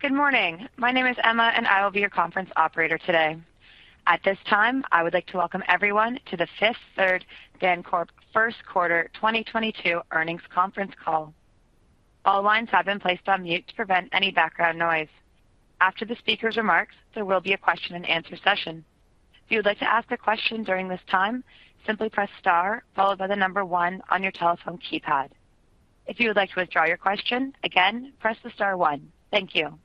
Good morning. My name is Emma, and I will be your conference operator today. At this time, I would like to welcome everyone to the Fifth Third Bancorp first quarter 2022 earnings conference call. All lines have been placed on mute to prevent any background noise. After the speaker's remarks, there will be a question-and-answer session. If you would like to ask a question during this time, simply press star followed by the number one on your telephone keypad. If you would like to withdraw your question, again, press the star one. Thank you.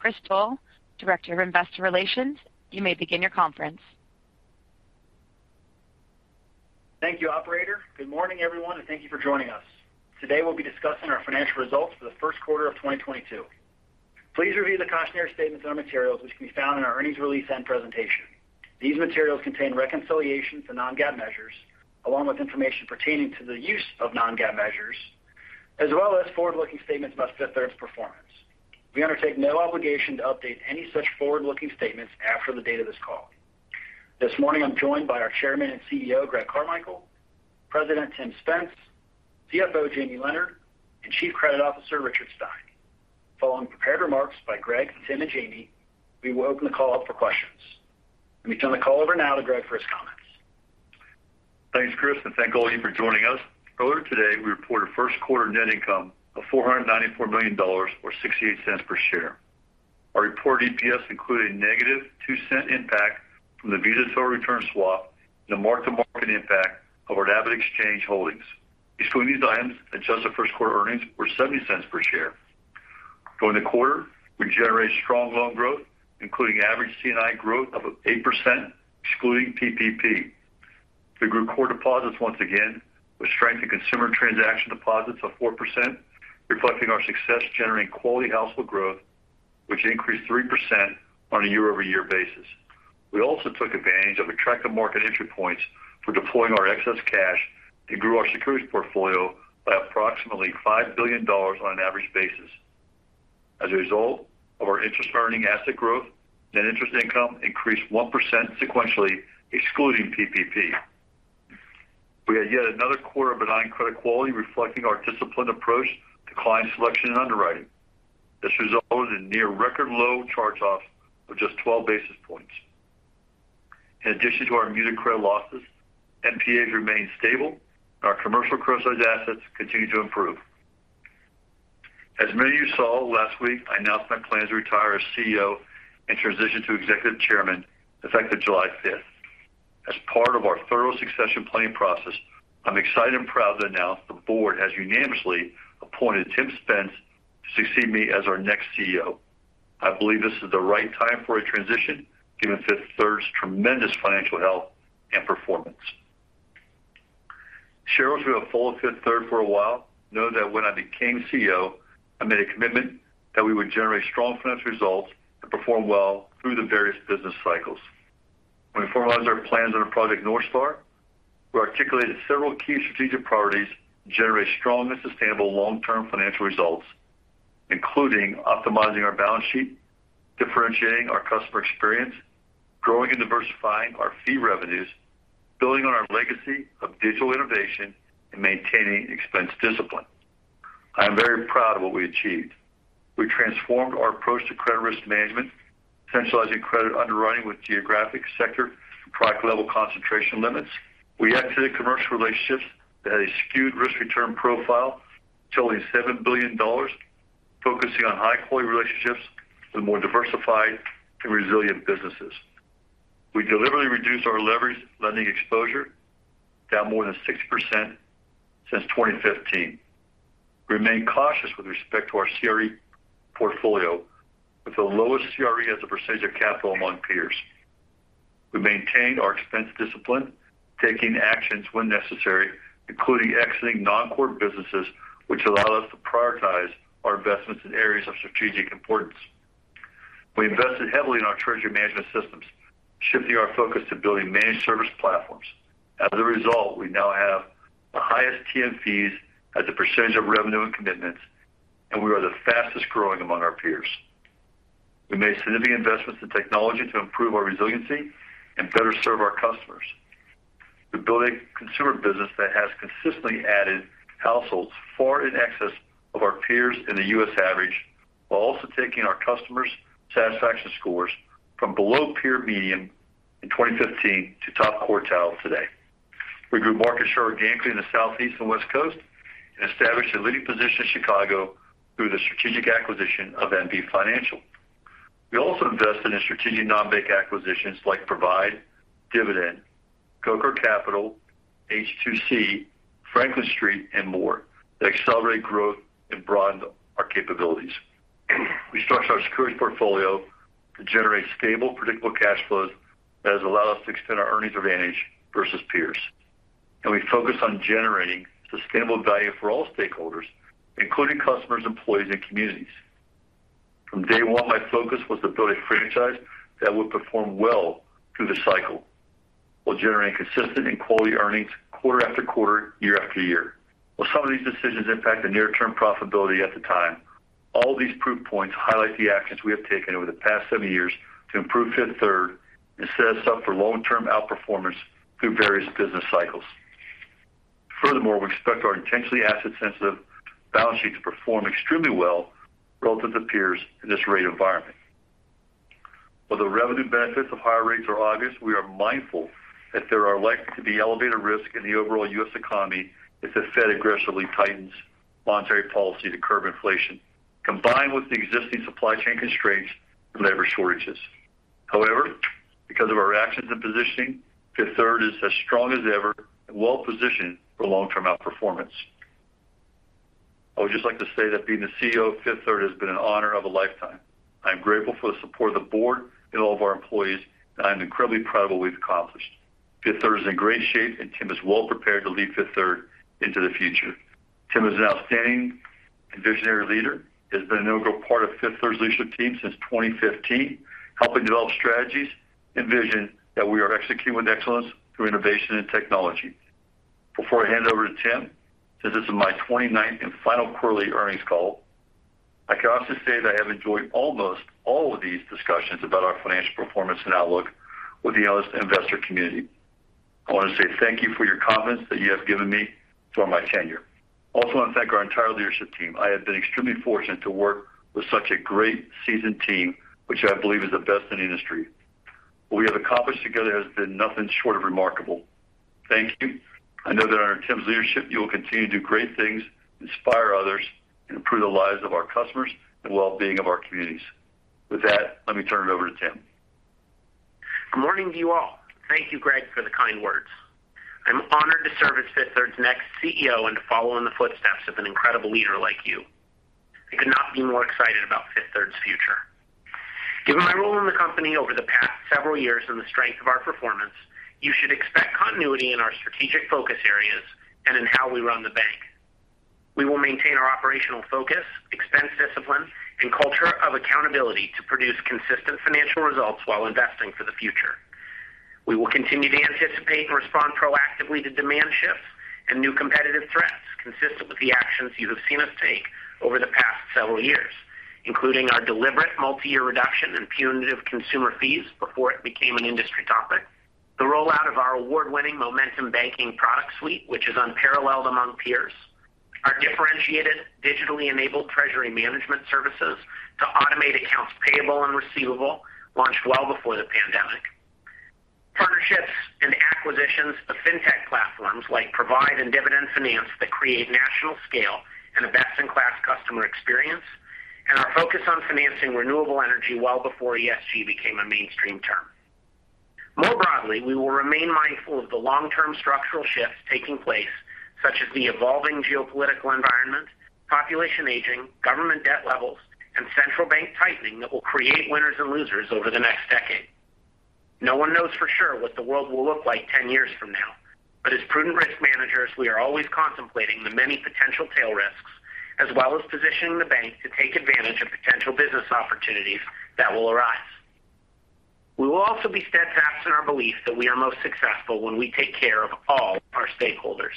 Chris Doll, Director of Investor Relations, you may begin your conference. Thank you, operator. Good morning, everyone, and thank you for joining us. Today, we'll be discussing our financial results for the first quarter of 2022. Please review the cautionary statements in our materials which can be found in our earnings release and presentation. These materials contain reconciliations for non-GAAP measures along with information pertaining to the use of non-GAAP measures as well as forward-looking statements about Fifth Third's performance. We undertake no obligation to update any such forward-looking statements after the date of this call. This morning, I'm joined by our Chairman and CEO, Greg Carmichael, President Tim Spence, CFO Jamie Leonard, and Chief Credit Officer Richard Stein. Following prepared remarks by Greg, Tim, and Jamie, we will open the call up for questions. Let me turn the call over now to Greg for his comments. Thanks, Chris, and thank all of you for joining us. Earlier today, we reported first quarter net income of $494 million or 68 cents per share. Our reported EPS included a negative 2-cent impact from the VIX total return swap and the mark-to-market impact of our Bitcoin exchange holdings. Excluding these items, adjusted first-quarter earnings were 70 cents per share. During the quarter, we generated strong loan growth, including average C&I growth of 8%, excluding PPP. We grew core deposits once again with strength in consumer transaction deposits of 4%, reflecting our success generating quality household growth, which increased 3% on a year-over-year basis. We also took advantage of attractive market entry points for deploying our excess cash and grew our securities portfolio by approximately $5 billion on an average basis. As a result of our interest earning asset growth, net interest income increased 1% sequentially, excluding PPP. We had yet another quarter of benign credit quality reflecting our disciplined approach to client selection and underwriting. This resulted in near record low charge-offs of just 12 basis points. In addition to our muted credit losses, NPAs remained stable, and our commercial credit size assets continued to improve. As many of you saw last week, I announced my plan to retire as CEO and transition to executive chairman effective July 5th. As part of our thorough succession planning process, I'm excited and proud to announce the board has unanimously appointed Tim Spence to succeed me as our next CEO. I believe this is the right time for a transition given Fifth Third's tremendous financial health and performance. Shareholders who have followed Fifth Third for a while know that when I became CEO, I made a commitment that we would generate strong financial results and perform well through the various business cycles. When we formalized our plans under Project NorthStar, we articulated several key strategic priorities to generate strong and sustainable long-term financial results, including optimizing our balance sheet, differentiating our customer experience, growing and diversifying our fee revenues, building on our legacy of digital innovation, and maintaining expense discipline. I am very proud of what we achieved. We transformed our approach to credit risk management, centralizing credit underwriting with geographic sector and product level concentration limits. We exited commercial relationships that had a skewed risk-return profile totaling $7 billion, focusing on high-quality relationships with more diversified and resilient businesses. We deliberately reduced our leverage lending exposure down more than 60% since 2015. We remain cautious with respect to our CRE portfolio with the lowest CRE as a percentage of capital among peers. We maintained our expense discipline, taking actions when necessary, including exiting non-core businesses which allow us to prioritize our investments in areas of strategic importance. We invested heavily in our treasury management systems, shifting our focus to building managed service platforms. As a result, we now have the highest TM fees as a percentage of revenue and commitments, and we are the fastest growing among our peers. We made significant investments in technology to improve our resiliency and better serve our customers. We built a consumer business that has consistently added households far in excess of our peers in the U.S. average, while also taking our customers' satisfaction scores from below peer medium in 2015 to top quartile today. We grew market share organically in the Southeast and West Coast and established a leading position in Chicago through the strategic acquisition of MB Financial. We also invested in strategic non-bank acquisitions like Provide, Dividend Finance, Coker Capital Advisors, H2C, Franklin Street, and more that accelerate growth and broaden our capabilities. We structured our securities portfolio to generate stable, predictable cash flows that has allowed us to extend our earnings advantage versus peers. We focused on generating sustainable value for all stakeholders, including customers, employees, and communities. From day one, my focus was to build a franchise that would perform well through the cycle while generating consistent and quality earnings quarter after quarter, year after year. While some of these decisions impact the near-term profitability at the time, all these proof points highlight the actions we have taken over the past seven years to improve Fifth Third and set us up for long-term outperformance through various business cycles. Furthermore, we expect our intentionally asset-sensitive balance sheet to perform extremely well relative to peers in this rate environment. While the revenue benefits of higher rates are obvious, we are mindful that there are likely to be elevated risk in the overall U.S. economy if the Fed aggressively tightens monetary policy to curb inflation, combined with the existing supply chain constraints and labor shortages. However, because of our actions and positioning, Fifth Third is as strong as ever and well-positioned for long-term outperformance. I would just like to say that being the CEO of Fifth Third has been an honor of a lifetime. I'm grateful for the support of the board and all of our employees, and I'm incredibly proud of what we've accomplished. Fifth Third is in great shape, and Tim is well prepared to lead Fifth Third into the future. Tim is an outstanding and visionary leader. He has been an integral part of Fifth Third's leadership team since 2015, helping develop strategies and vision that we are executing with excellence through innovation and technology. Before I hand over to Tim, since this is my 29th and final quarterly earnings call, I can honestly say that I have enjoyed almost all of these discussions about our financial performance and outlook with the analyst investor community. I want to say thank you for your confidence that you have given me throughout my tenure. Also, I want to thank our entire leadership team. I have been extremely fortunate to work with such a great seasoned team, which I believe is the best in the industry. What we have accomplished together has been nothing short of remarkable. Thank you. I know that under Tim's leadership, you will continue to do great things, inspire others, and improve the lives of our customers and wellbeing of our communities. With that, let me turn it over to Tim. Good morning to you all. Thank you, Greg, for the kind words. I'm honored to serve as Fifth Third's next CEO and to follow in the footsteps of an incredible leader like you. I could not be more excited about Fifth Third's future. Given my role in the company over the past several years and the strength of our performance, you should expect continuity in our strategic focus areas and in how we run the bank. We will maintain our operational focus, expense discipline, and culture of accountability to produce consistent financial results while investing for the future. We will continue to anticipate and respond proactively to demand shifts and new competitive threats consistent with the actions you have seen us take over the past several years, including our deliberate multi-year reduction in punitive consumer fees before it became an industry topic. The rollout of our award-winning Momentum Banking product suite, which is unparalleled among peers. Our differentiated digitally enabled treasury management services to automate accounts payable and receivable launched well before the pandemic. Partnerships and acquisitions of fintech platforms like Provide and Dividend Finance that create national scale and a best-in-class customer experience, and our focus on financing renewable energy well before ESG became a mainstream term. More broadly, we will remain mindful of the long-term structural shifts taking place, such as the evolving geopolitical environment, population aging, government debt levels, and central bank tightening that will create winners and losers over the next decade. No one knows for sure what the world will look like ten years from now, but as prudent risk managers, we are always contemplating the many potential tail risks, as well as positioning the bank to take advantage of potential business opportunities that will arise. We will also be steadfast in our belief that we are most successful when we take care of all our stakeholders.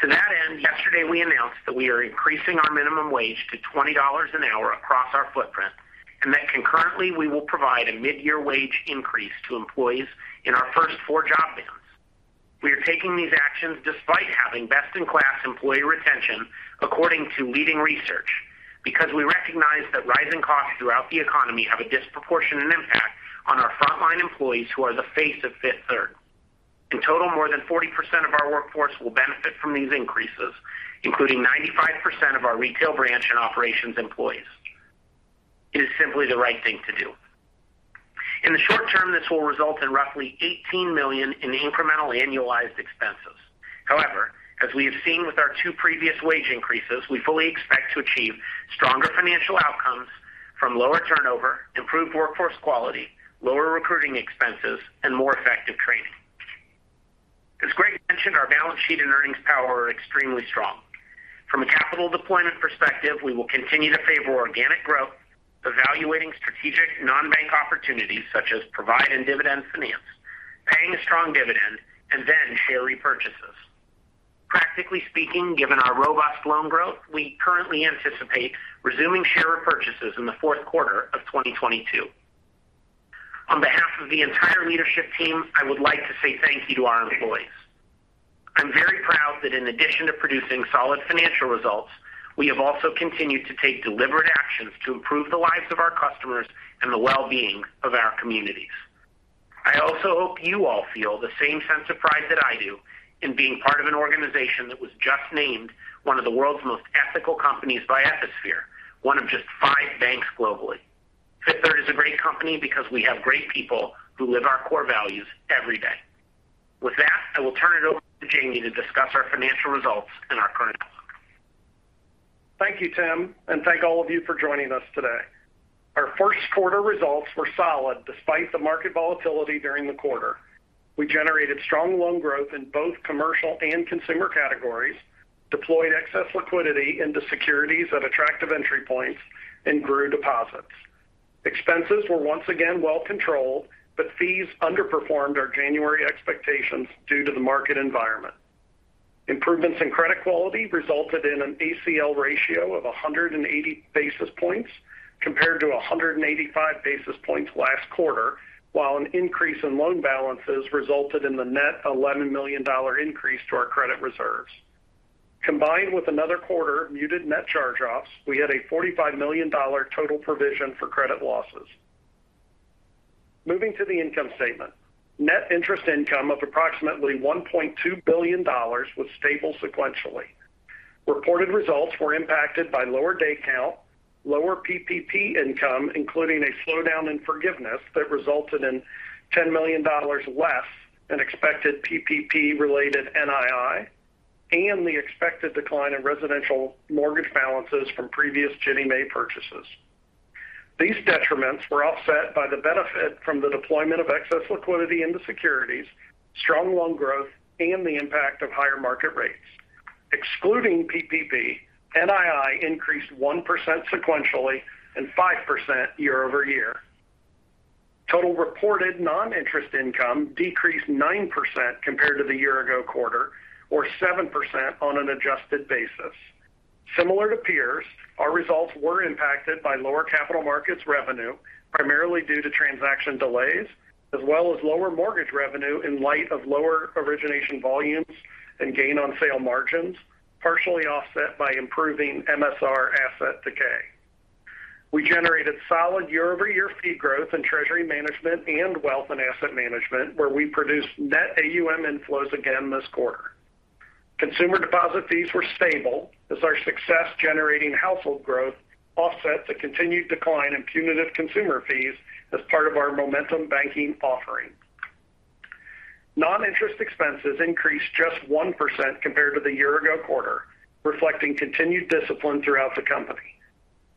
To that end, yesterday we announced that we are increasing our minimum wage to $20 an hour across our footprint, and that concurrently, we will provide a mid-year wage increase to employees in our first four job bands. We are taking these actions despite having best-in-class employee retention according to leading research because we recognize that rising costs throughout the economy have a disproportionate impact on our frontline employees who are the face of Fifth Third. In total, more than 40% of our workforce will benefit from these increases, including 95% of our retail branch and operations employees. It is simply the right thing to do. In the short term, this will result in roughly $18 million in incremental annualized expenses. However, as we have seen with our two previous wage increases, we fully expect to achieve stronger financial outcomes from lower turnover, improved workforce quality, lower recruiting expenses, and more effective training. As Greg mentioned, our balance sheet and earnings power are extremely strong. From a capital deployment perspective, we will continue to favor organic growth, evaluating strategic non-bank opportunities such as Provide and Dividend Finance, paying a strong dividend, and then share repurchases. Practically speaking, given our robust loan growth, we currently anticipate resuming share repurchases in the fourth quarter of 2022. On behalf of the entire leadership team, I would like to say thank you to our employees. I'm very proud that in addition to producing solid financial results, we have also continued to take deliberate actions to improve the lives of our customers and the wellbeing of our communities. I also hope you all feel the same sense of pride that I do in being part of an organization that was just named one of the world's most ethical companies by Ethisphere, one of just five banks globally. Fifth Third is a great company because we have great people who live our core values every day. With that, I will turn it over to Jamie to discuss our financial results and our current outlook. Thank you, Tim, and thank all of you for joining us today. Our first quarter results were solid despite the market volatility during the quarter. We generated strong loan growth in both commercial and consumer categories, deployed excess liquidity into securities at attractive entry points, and grew deposits. Expenses were once again well controlled, but fees underperformed our January expectations due to the market environment. Improvements in credit quality resulted in an ACL ratio of 180 basis points Compared to 185 basis points last quarter, while an increase in loan balances resulted in the net $11 million increase to our credit reserves. Combined with another quarter muted net charge-offs, we had a $45 million total provision for credit losses. Moving to the income statement. Net interest income of approximately $1.2 billion was stable sequentially. Reported results were impacted by lower day count, lower PPP income, including a slowdown in forgiveness that resulted in $10 million less than expected PPP related NII and the expected decline in residential mortgage balances from previous Ginnie Mae purchases. These detriments were offset by the benefit from the deployment of excess liquidity into securities, strong loan growth, and the impact of higher market rates. Excluding PPP, NII increased 1% sequentially and 5% year-over-year. Total reported non-interest income decreased 9% compared to the year-ago quarter or 7% on an adjusted basis. Similar to peers, our results were impacted by lower capital markets revenue, primarily due to transaction delays as well as lower mortgage revenue in light of lower origination volumes and gain on sale margins, partially offset by improving MSR asset decay. We generated solid year-over-year fee growth in treasury management and wealth and asset management, where we produced net AUM inflows again this quarter. Consumer deposit fees were stable as our success generating household growth offset the continued decline in punitive consumer fees as part of our Momentum Banking offering. Non-interest expenses increased just 1% compared to the year-ago quarter, reflecting continued discipline throughout the company.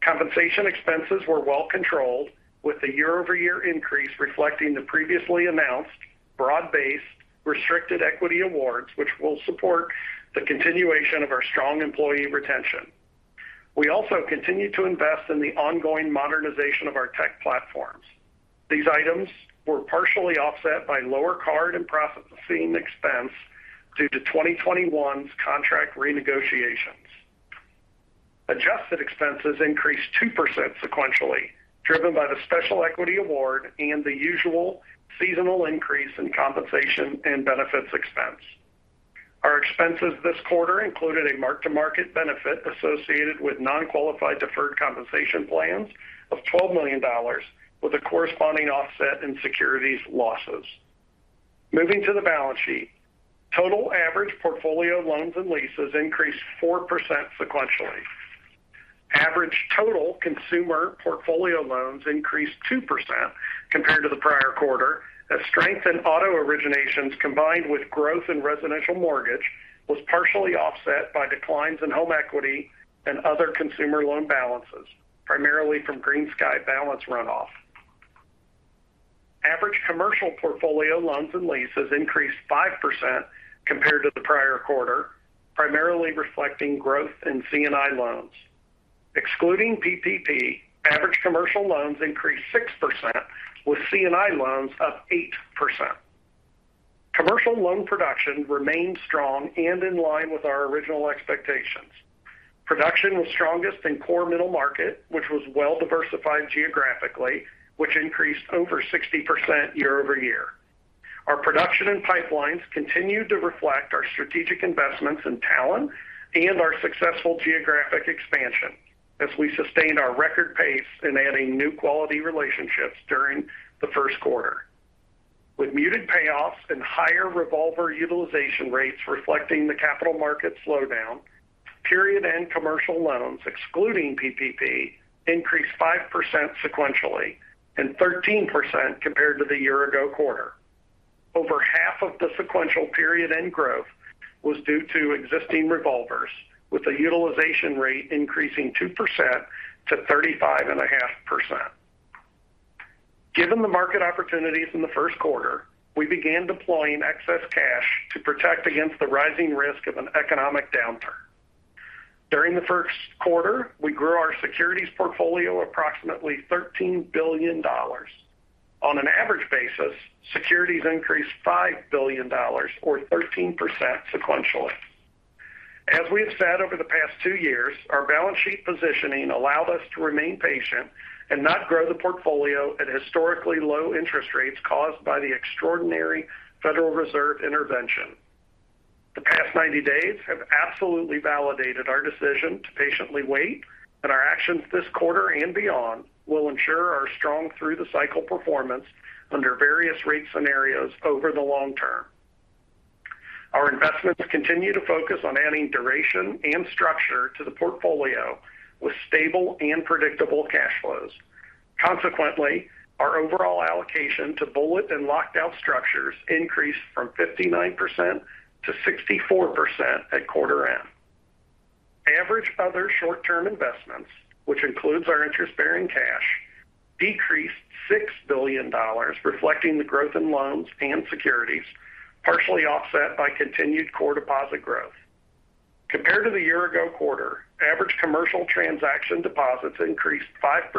Compensation expenses were well controlled with the year-over-year increase reflecting the previously announced broad-based restricted equity awards, which will support the continuation of our strong employee retention. We also continued to invest in the ongoing modernization of our tech platforms. These items were partially offset by lower card and processing expense due to 2021's contract renegotiations. Adjusted expenses increased 2% sequentially, driven by the special equity award and the usual seasonal increase in compensation and benefits expense. Our expenses this quarter included a mark-to-market benefit associated with non-qualified deferred compensation plans of $12 million with a corresponding offset in securities losses. Moving to the balance sheet. Total average portfolio loans and leases increased 4% sequentially. Average total consumer portfolio loans increased 2% compared to the prior quarter as strength in auto originations combined with growth in residential mortgage was partially offset by declines in home equity and other consumer loan balances, primarily from GreenSky balance runoff. Average commercial portfolio loans and leases increased 5% compared to the prior quarter, primarily reflecting growth in C&I loans. Excluding PPP, average commercial loans increased 6% with C&I loans up 8%. Commercial loan production remained strong and in line with our original expectations. Production was strongest in core middle market, which was well diversified geographically, which increased over 60% year-over-year. Our production and pipelines continued to reflect our strategic investments in talent and our successful geographic expansion as we sustained our record pace in adding new quality relationships during the first quarter. With muted payoffs and higher revolver utilization rates reflecting the capital market slowdown, period-end commercial loans excluding PPP increased 5% sequentially and 13% compared to the year-ago quarter. Over half of the sequential period-end growth was due to existing revolvers with a utilization rate increasing 2% to 35.5%. Given the market opportunities in the first quarter, we began deploying excess cash to protect against the rising risk of an economic downturn. During the first quarter, we grew our securities portfolio approximately $13 billion. On an average basis, securities increased $5 billion or 13% sequentially. As we have said over the past two years, our balance sheet positioning allowed us to remain patient and not grow the portfolio at historically low interest rates caused by the extraordinary Federal Reserve intervention. The past 90 days have absolutely validated our decision to patiently wait, and our actions this quarter and beyond will ensure our strong through-the-cycle performance under various rate scenarios over the long term. Our investments continue to focus on adding duration and structure to the portfolio with stable and predictable cash flows. Consequently, our overall allocation to bullet and locked out structures increased from 59% to 64% at quarter end. Average other short-term investments, which includes our interest-bearing cash, decreased $6 billion, reflecting the growth in loans and securities, partially offset by continued core deposit growth. Compared to the year-ago quarter, average commercial transaction deposits increased 5%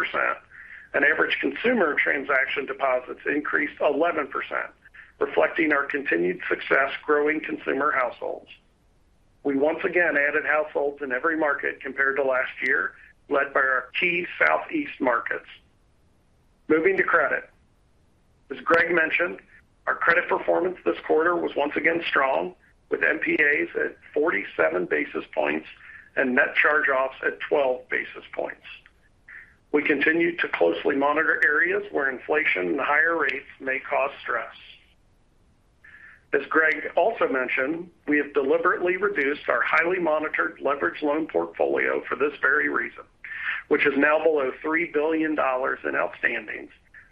and average consumer transaction deposits increased 11%, reflecting our continued success growing consumer households. We once again added households in every market compared to last year, led by our key Southeast markets. Moving to credit. As Greg mentioned, our credit performance this quarter was once again strong, with NPAs at 47 basis points and net charge-offs at 12 basis points. We continue to closely monitor areas where inflation and higher rates may cause stress. As Greg also mentioned, we have deliberately reduced our highly monitored leverage loan portfolio for this very reason, which is now below $3 billion in outstandings,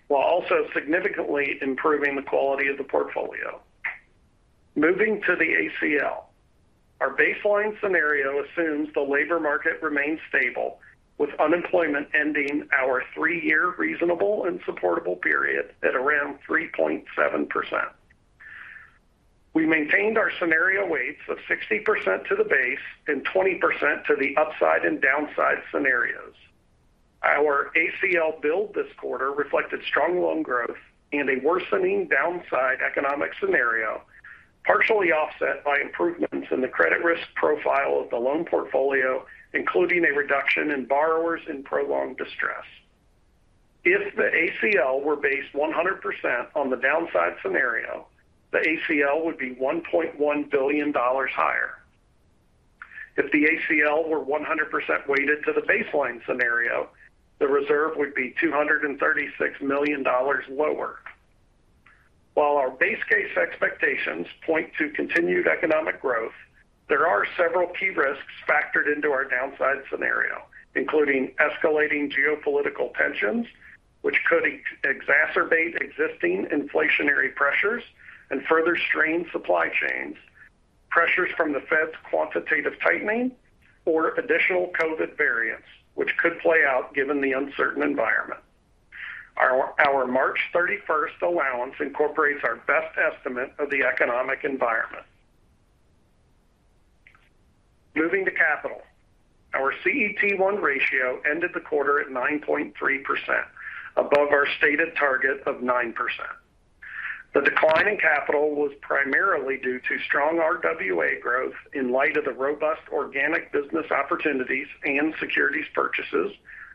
while also significantly improving the quality of the portfolio. Moving to the ACL. Our baseline scenario assumes the labor market remains stable, with unemployment ending our three-year reasonable and supportable period at around 3.7%. We maintained our scenario weights of 60% to the base and 20% to the upside and downside scenarios. Our ACL build this quarter reflected strong loan growth and a worsening downside economic scenario, partially offset by improvements in the credit risk profile of the loan portfolio, including a reduction in borrowers in prolonged distress. If the ACL were based 100% on the downside scenario, the ACL would be $1.1 billion higher. If the ACL were 100% weighted to the baseline scenario, the reserve would be $236 million lower. While our base case expectations point to continued economic growth, there are several key risks factored into our downside scenario, including escalating geopolitical tensions, which could exacerbate existing inflationary pressures and further strain supply chains, pressures from the Fed's quantitative tightening or additional COVID variants which could play out given the uncertain environment. Our March 31st allowance incorporates our best estimate of the economic environment. Moving to capital. Our CET1 ratio ended the quarter at 9.3%, above our stated target of 9%. The decline in capital was primarily due to strong RWA growth in light of the robust organic business opportunities and securities purchases,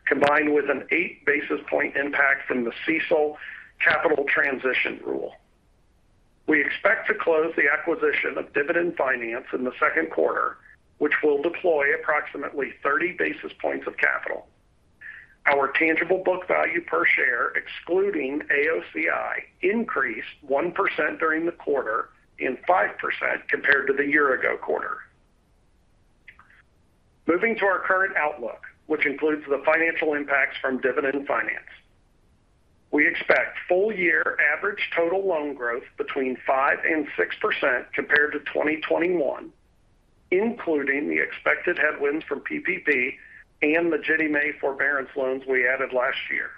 combined with an 8 basis point impact from the CECL capital transition rule. We expect to close the acquisition of Dividend Finance in the second quarter, which will deploy approximately 30 basis points of capital. Our tangible book value per share, excluding AOCI, increased 1% during the quarter and 5% compared to the year-ago quarter. Moving to our current outlook, which includes the financial impacts from Dividend Finance, we expect full-year average total loan growth between 5% and 6% compared to 2021, including the expected headwinds from PPP and the Ginnie Mae forbearance loans we added last year.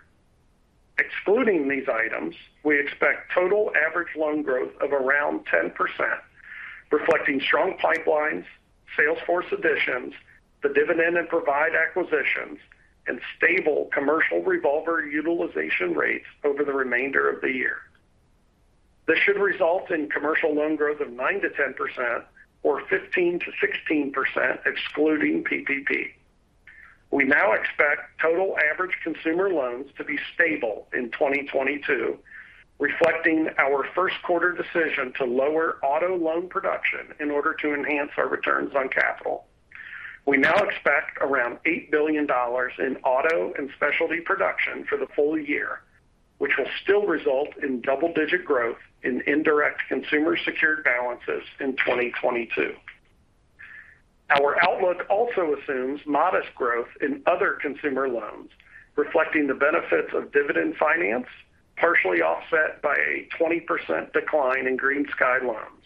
Excluding these items, we expect total average loan growth of around 10%, reflecting strong pipelines, sales force additions, the Dividend Finance and Provide acquisitions, and stable commercial revolver utilization rates over the remainder of the year. This should result in commercial loan growth of 9%-10% or 15%-16% excluding PPP. We now expect total average consumer loans to be stable in 2022, reflecting our first quarter decision to lower auto loan production in order to enhance our returns on capital. We now expect around $8 billion in auto and specialty production for the full year, which will still result in double-digit growth in indirect consumer secured balances in 2022. Our outlook also assumes modest growth in other consumer loans, reflecting the benefits of Dividend Finance, partially offset by a 20% decline in GreenSky loans.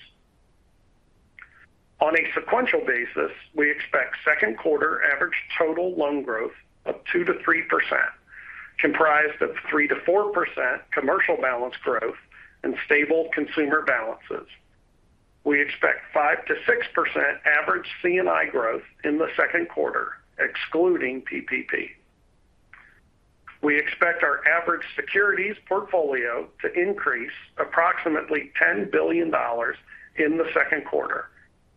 On a sequential basis, we expect second quarter average total loan growth of 2%-3%, comprised of 3%-4% commercial balance growth and stable consumer balances. We expect 5%-6% average C&I growth in the second quarter, excluding PPP. We expect our average securities portfolio to increase approximately $10 billion in the second quarter,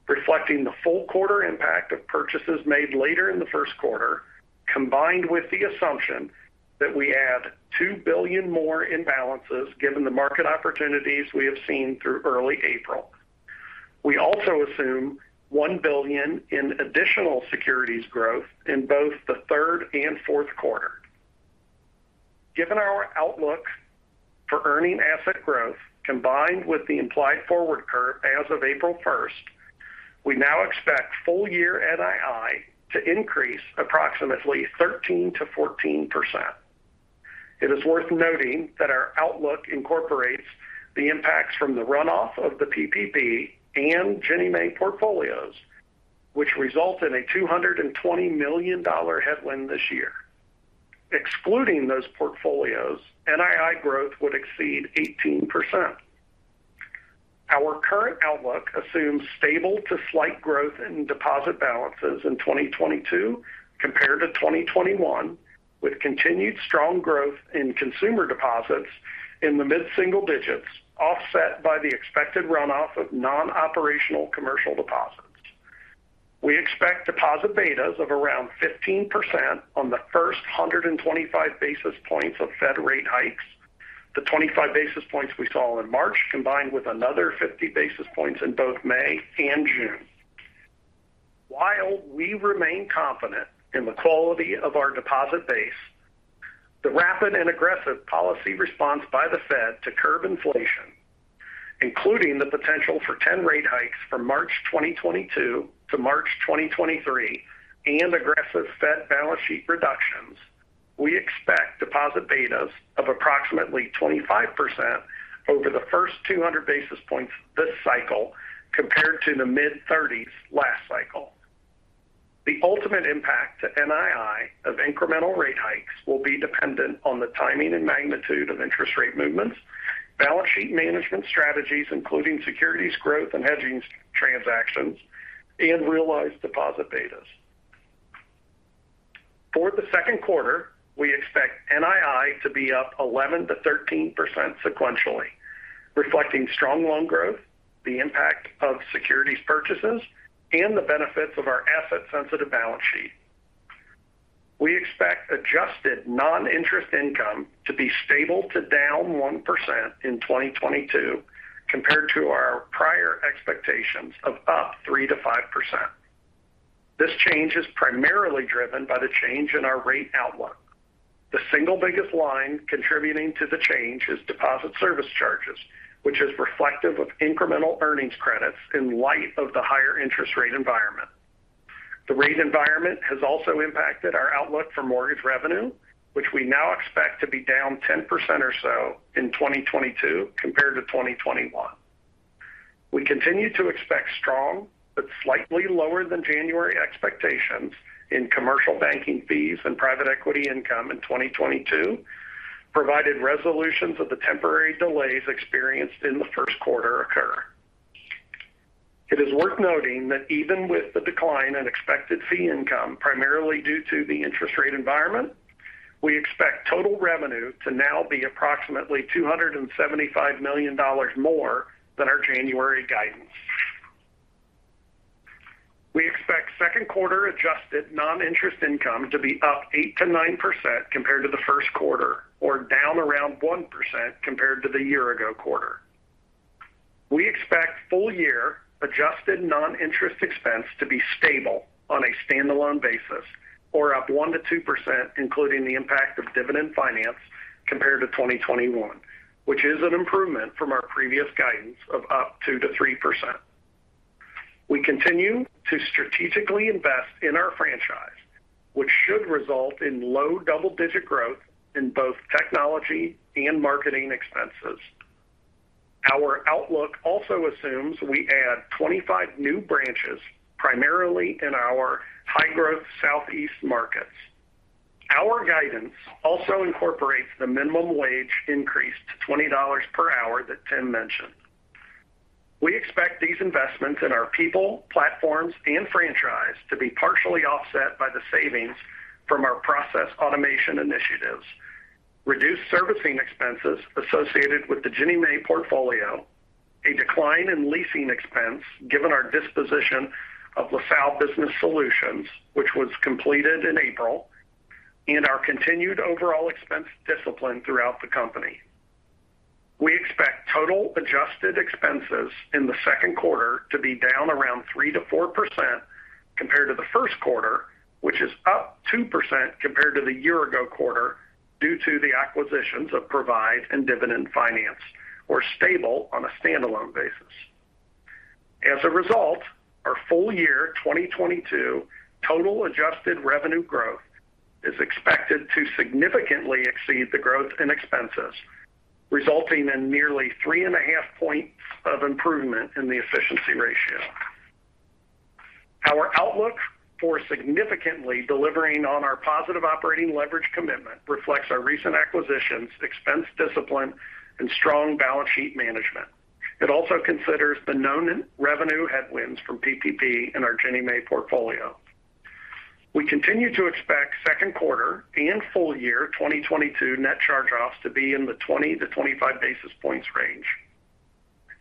reflecting the full quarter impact of purchases made later in the first quarter, combined with the assumption that we add $2 billion more in balances given the market opportunities we have seen through early April. We also assume $1 billion in additional securities growth in both the third and fourth quarter. Given our outlook for earning asset growth combined with the implied forward curve as of April first, we now expect full year NII to increase approximately 13%-14%. It is worth noting that our outlook incorporates the impacts from the runoff of the PPP and Ginnie Mae portfolios, which result in a $220 million headwind this year. Excluding those portfolios, NII growth would exceed 18%. Our current outlook assumes stable to slight growth in deposit balances in 2022 compared to 2021, with continued strong growth in consumer deposits in the mid-single digits, offset by the expected runoff of non-operational commercial deposits. We expect deposit betas of around 15% on the first 125 basis points of Fed rate hikes. The 25 basis points we saw in March, combined with another 50 basis points in both May and June. While we remain confident in the quality of our deposit base, the rapid and aggressive policy response by the Fed to curb inflation, including the potential for 10 rate hikes from March 2022 to March 2023 and aggressive Fed balance sheet reductions, we expect deposit betas of approximately 25% over the first 200 basis points this cycle compared to the mid-30s last cycle. The ultimate impact to NII of incremental rate hikes will be dependent on the timing and magnitude of interest rate movements, balance sheet management strategies, including securities growth and hedging transactions, and realized deposit betas. For the second quarter, we expect NII to be up 11%-13% sequentially, reflecting strong loan growth, the impact of securities purchases, and the benefits of our asset-sensitive balance sheet. We expect adjusted non-interest income to be stable to down 1% in 2022 compared to our prior expectations of up 3%-5%. This change is primarily driven by the change in our rate outlook. The single biggest line contributing to the change is deposit service charges, which is reflective of incremental earnings credits in light of the higher interest rate environment. The rate environment has also impacted our outlook for mortgage revenue, which we now expect to be down 10% or so in 2022 compared to 2021. We continue to expect strong but slightly lower than January expectations in commercial banking fees and private equity income in 2022, provided resolutions of the temporary delays experienced in the first quarter occur. It is worth noting that even with the decline in expected fee income, primarily due to the interest rate environment, we expect total revenue to now be approximately $275 million more than our January guidance. We expect second quarter adjusted non-interest income to be up 8%-9% compared to the first quarter or down around 1% compared to the year-ago quarter. We expect full year adjusted non-interest expense to be stable on a standalone basis or up 1%-2%, including the impact of Dividend Finance compared to 2021, which is an improvement from our previous guidance of up 2%-3%. We continue to strategically invest in our franchise, which should result in low double-digit growth in both technology and marketing expenses. Our outlook also assumes we add 25 new branches, primarily in our high-growth southeast markets. Our guidance also incorporates the minimum wage increase to $20 per hour that Tim mentioned. We expect these investments in our people, platforms, and franchise to be partially offset by the savings from our process automation initiatives, reduced servicing expenses associated with the Ginnie Mae portfolio, a decline in leasing expense given our disposition of LaSalle Solutions, which was completed in April, and our continued overall expense discipline throughout the company. We expect total adjusted expenses in the second quarter to be down around 3%-4% compared to the first quarter, which is up 2% compared to the year-ago quarter due to the acquisitions of Provide and Dividend Finance or stable on a standalone basis. As a result, our full year 2022 total adjusted revenue growth is expected to significantly exceed the growth in expenses, resulting in nearly 3.5 points of improvement in the efficiency ratio. Our outlook for significantly delivering on our positive operating leverage commitment reflects our recent acquisitions, expense discipline, and strong balance sheet management. It also considers the known revenue headwinds from PPP in our Ginnie Mae portfolio. We continue to expect second quarter and full year 2022 net charge-offs to be in the 20-25 basis points range.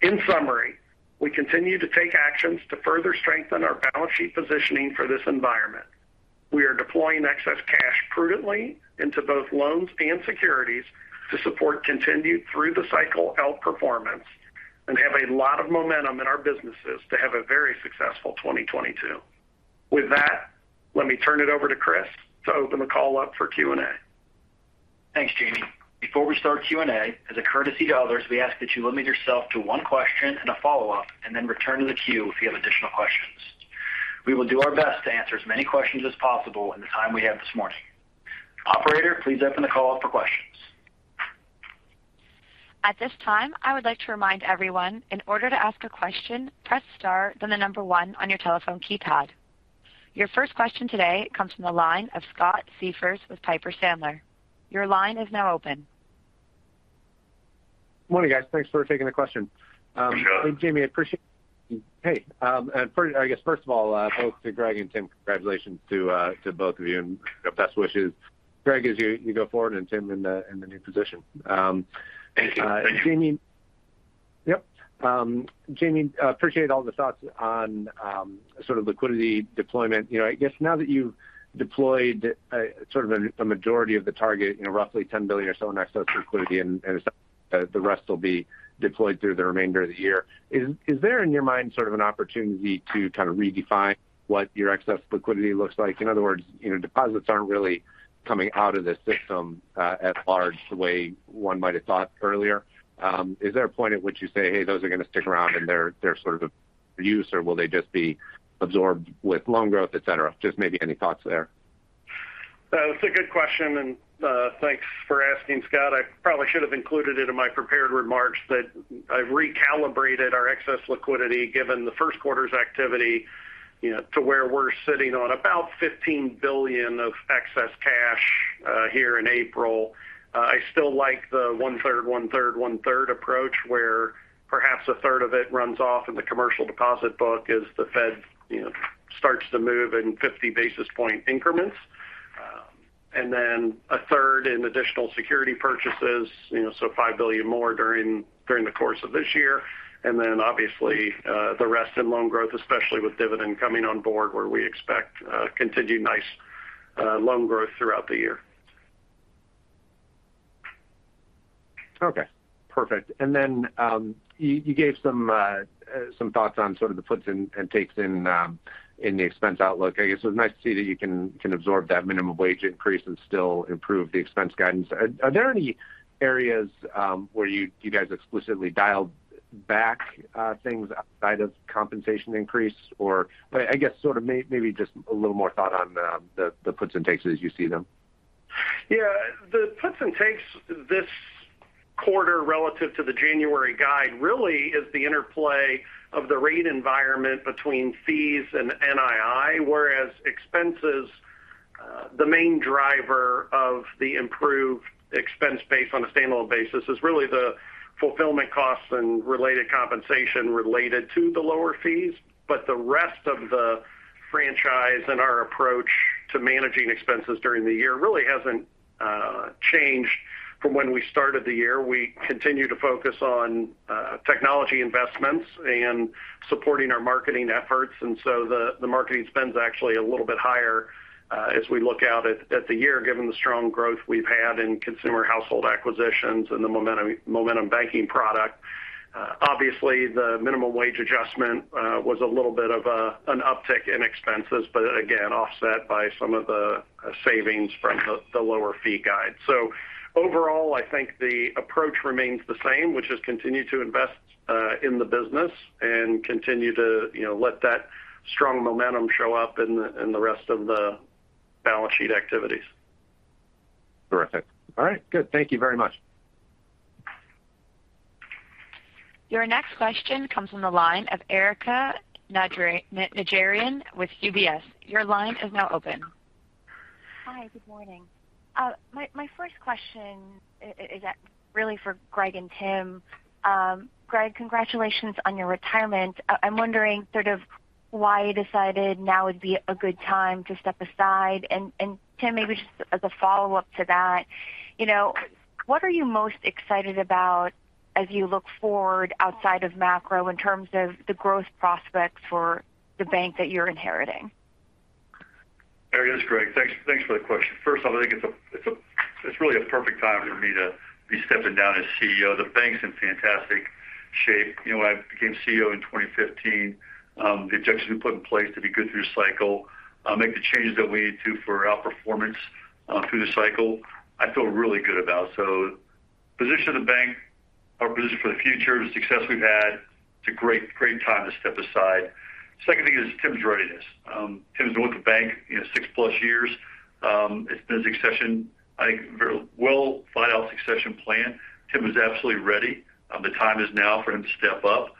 In summary, we continue to take actions to further strengthen our balance sheet positioning for this environment. We are deploying excess cash prudently into both loans and securities to support continued through the cycle outperformance and have a lot of momentum in our businesses to have a very successful 2022. With that, let me turn it over to Chris to open the call up for Q&A. Thanks, Jamie. Before we start Q&A, as a courtesy to others, we ask that you limit yourself to one question and a follow-up and then return to the queue if you have additional questions. We will do our best to answer as many questions as possible in the time we have this morning. Operator, please open the call up for questions. At this time, I would like to remind everyone, in order to ask a question, press star, then the number one on your telephone keypad. Your first question today comes from the line of Scott Siefers with Piper Sandler. Your line is now open. Morning, guys. Thanks for taking the question. Sure. Jamie, I appreciate you. Hey, first, I guess first of all, both to Greg and Tim, congratulations to both of you and best wishes, Greg, as you go forward and Tim in the new position. Thank you. Yep. Jamie, I appreciate all the thoughts on, sort of liquidity deployment. You know, I guess now that you've deployed sort of a majority of the target, you know, roughly $10 billion or so in excess of liquidity and the rest will be deployed through the remainder of the year. Is there in your mind sort of an opportunity to kind of redefine what your excess liquidity looks like? In other words, you know, deposits aren't really coming out of the system, at large the way one might have thought earlier. Is there a point at which you say, "Hey, those are going to stick around and they're sort of useful, or will they just be absorbed with loan growth, et cetera?" Just maybe any thoughts there. That's a good question, and thanks for asking, Scott. I probably should have included it in my prepared remarks that I've recalibrated our excess liquidity given the first quarter's activity, you know, to where we're sitting on about $15 billion of excess cash here in April. I still like the one-third, one-third, one-third approach where perhaps a third of it runs off in the commercial deposit book as the Fed, you know, starts to move in 50 basis point increments. Then a third in additional security purchases, you know, so $5 billion more during the course of this year. Then obviously, the rest in loan growth, especially with Dividend coming on board where we expect continued nice loan growth throughout the year. Okay, perfect. You gave some thoughts on sort of the puts and takes in the expense outlook. I guess it was nice to see that you can absorb that minimum wage increase and still improve the expense guidance. Are there any areas where you guys explicitly dialed back things outside of compensation increase? I guess sort of maybe just a little more thought on the puts and takes as you see them. Yeah. The puts and takes this quarter relative to the January guide really is the interplay of the rate environment between fees and NII. Whereas expenses, the main driver of the improved expense base on a standalone basis is really the fulfillment costs and related compensation related to the lower fees. But the rest of the franchise and our approach to managing expenses during the year really hasn't changed from when we started the year. We continue to focus on technology investments and supporting our marketing efforts. The marketing spend is actually a little bit higher as we look out at the year, given the strong growth we've had in consumer household acquisitions and the Momentum Banking product. Obviously, the minimum wage adjustment was a little bit of an uptick in expenses, but again, offset by some of the savings from the lower fee guide. Overall, I think the approach remains the same, which is continue to invest in the business and continue to, you know, let that strong momentum show up in the rest of the balance sheet activities. Terrific. All right, good. Thank you very much. Your next question comes from the line of Erika Najarian with UBS. Your line is now open. Hi, good morning. My first question is really for Greg and Tim. Greg, congratulations on your retirement. I'm wondering sort of why you decided now would be a good time to step aside. Tim, maybe just as a follow-up to that, you know, what are you most excited about as you look forward outside of macro in terms of the growth prospects for the bank that you're inheriting? Erika, it's Greg. Thanks for the question. First of all, I think it's really a perfect time for me to be stepping down as CEO. The bank's in fantastic shape. You know, I became CEO in 2015. The objectives we put in place to be good through cycle, make the changes that we need to for our performance, through the cycle. I feel really good about. Position of the bank, our position for the future, the success we've had. It's a great time to step aside. Second thing is Tim's readiness. Tim's been with the bank, you know, six-plus years. It's been a very well thought out succession plan. Tim is absolutely ready. The time is now for him to step up,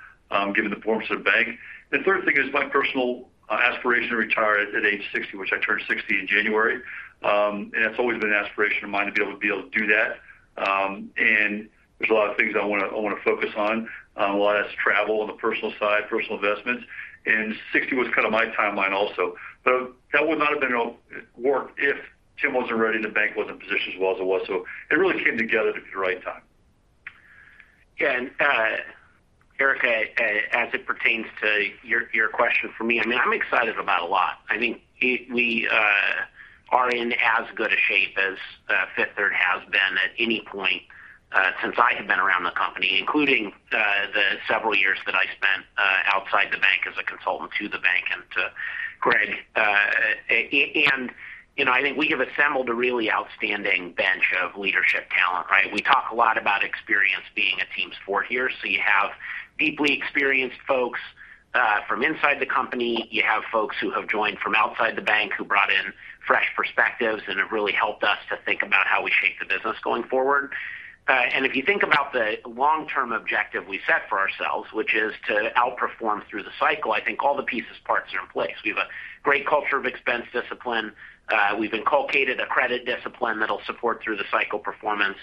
given the performance of the bank. The third thing is my personal aspiration to retire at age 60, which I turned 60 in January. It's always been an aspiration of mine to be able to do that. There's a lot of things I wanna focus on, a lot of travel on the personal side, personal investments. 60 was kind of my timeline also. That would not have been possible if Tim wasn't ready and the bank wasn't positioned as well as it was. It really came together at the right time. Yeah. Erika, as it pertains to your question for me, I mean, I'm excited about a lot. I think we are in as good a shape as Fifth Third has been at any point since I have been around the company, including the several years that I spent outside the bank as a consultant to the bank and to Greg. You know, I think we have assembled a really outstanding bench of leadership talent, right? We talk a lot about experience being a team sport here. You have deeply experienced folks from inside the company. You have folks who have joined from outside the bank who brought in fresh perspectives, and have really helped us to think about how we shape the business going forward. If you think about the long-term objective we set for ourselves, which is to outperform through the cycle, I think all the pieces parts are in place. We have a great culture of expense discipline. We've inculcated a credit discipline that'll support through the cycle performance.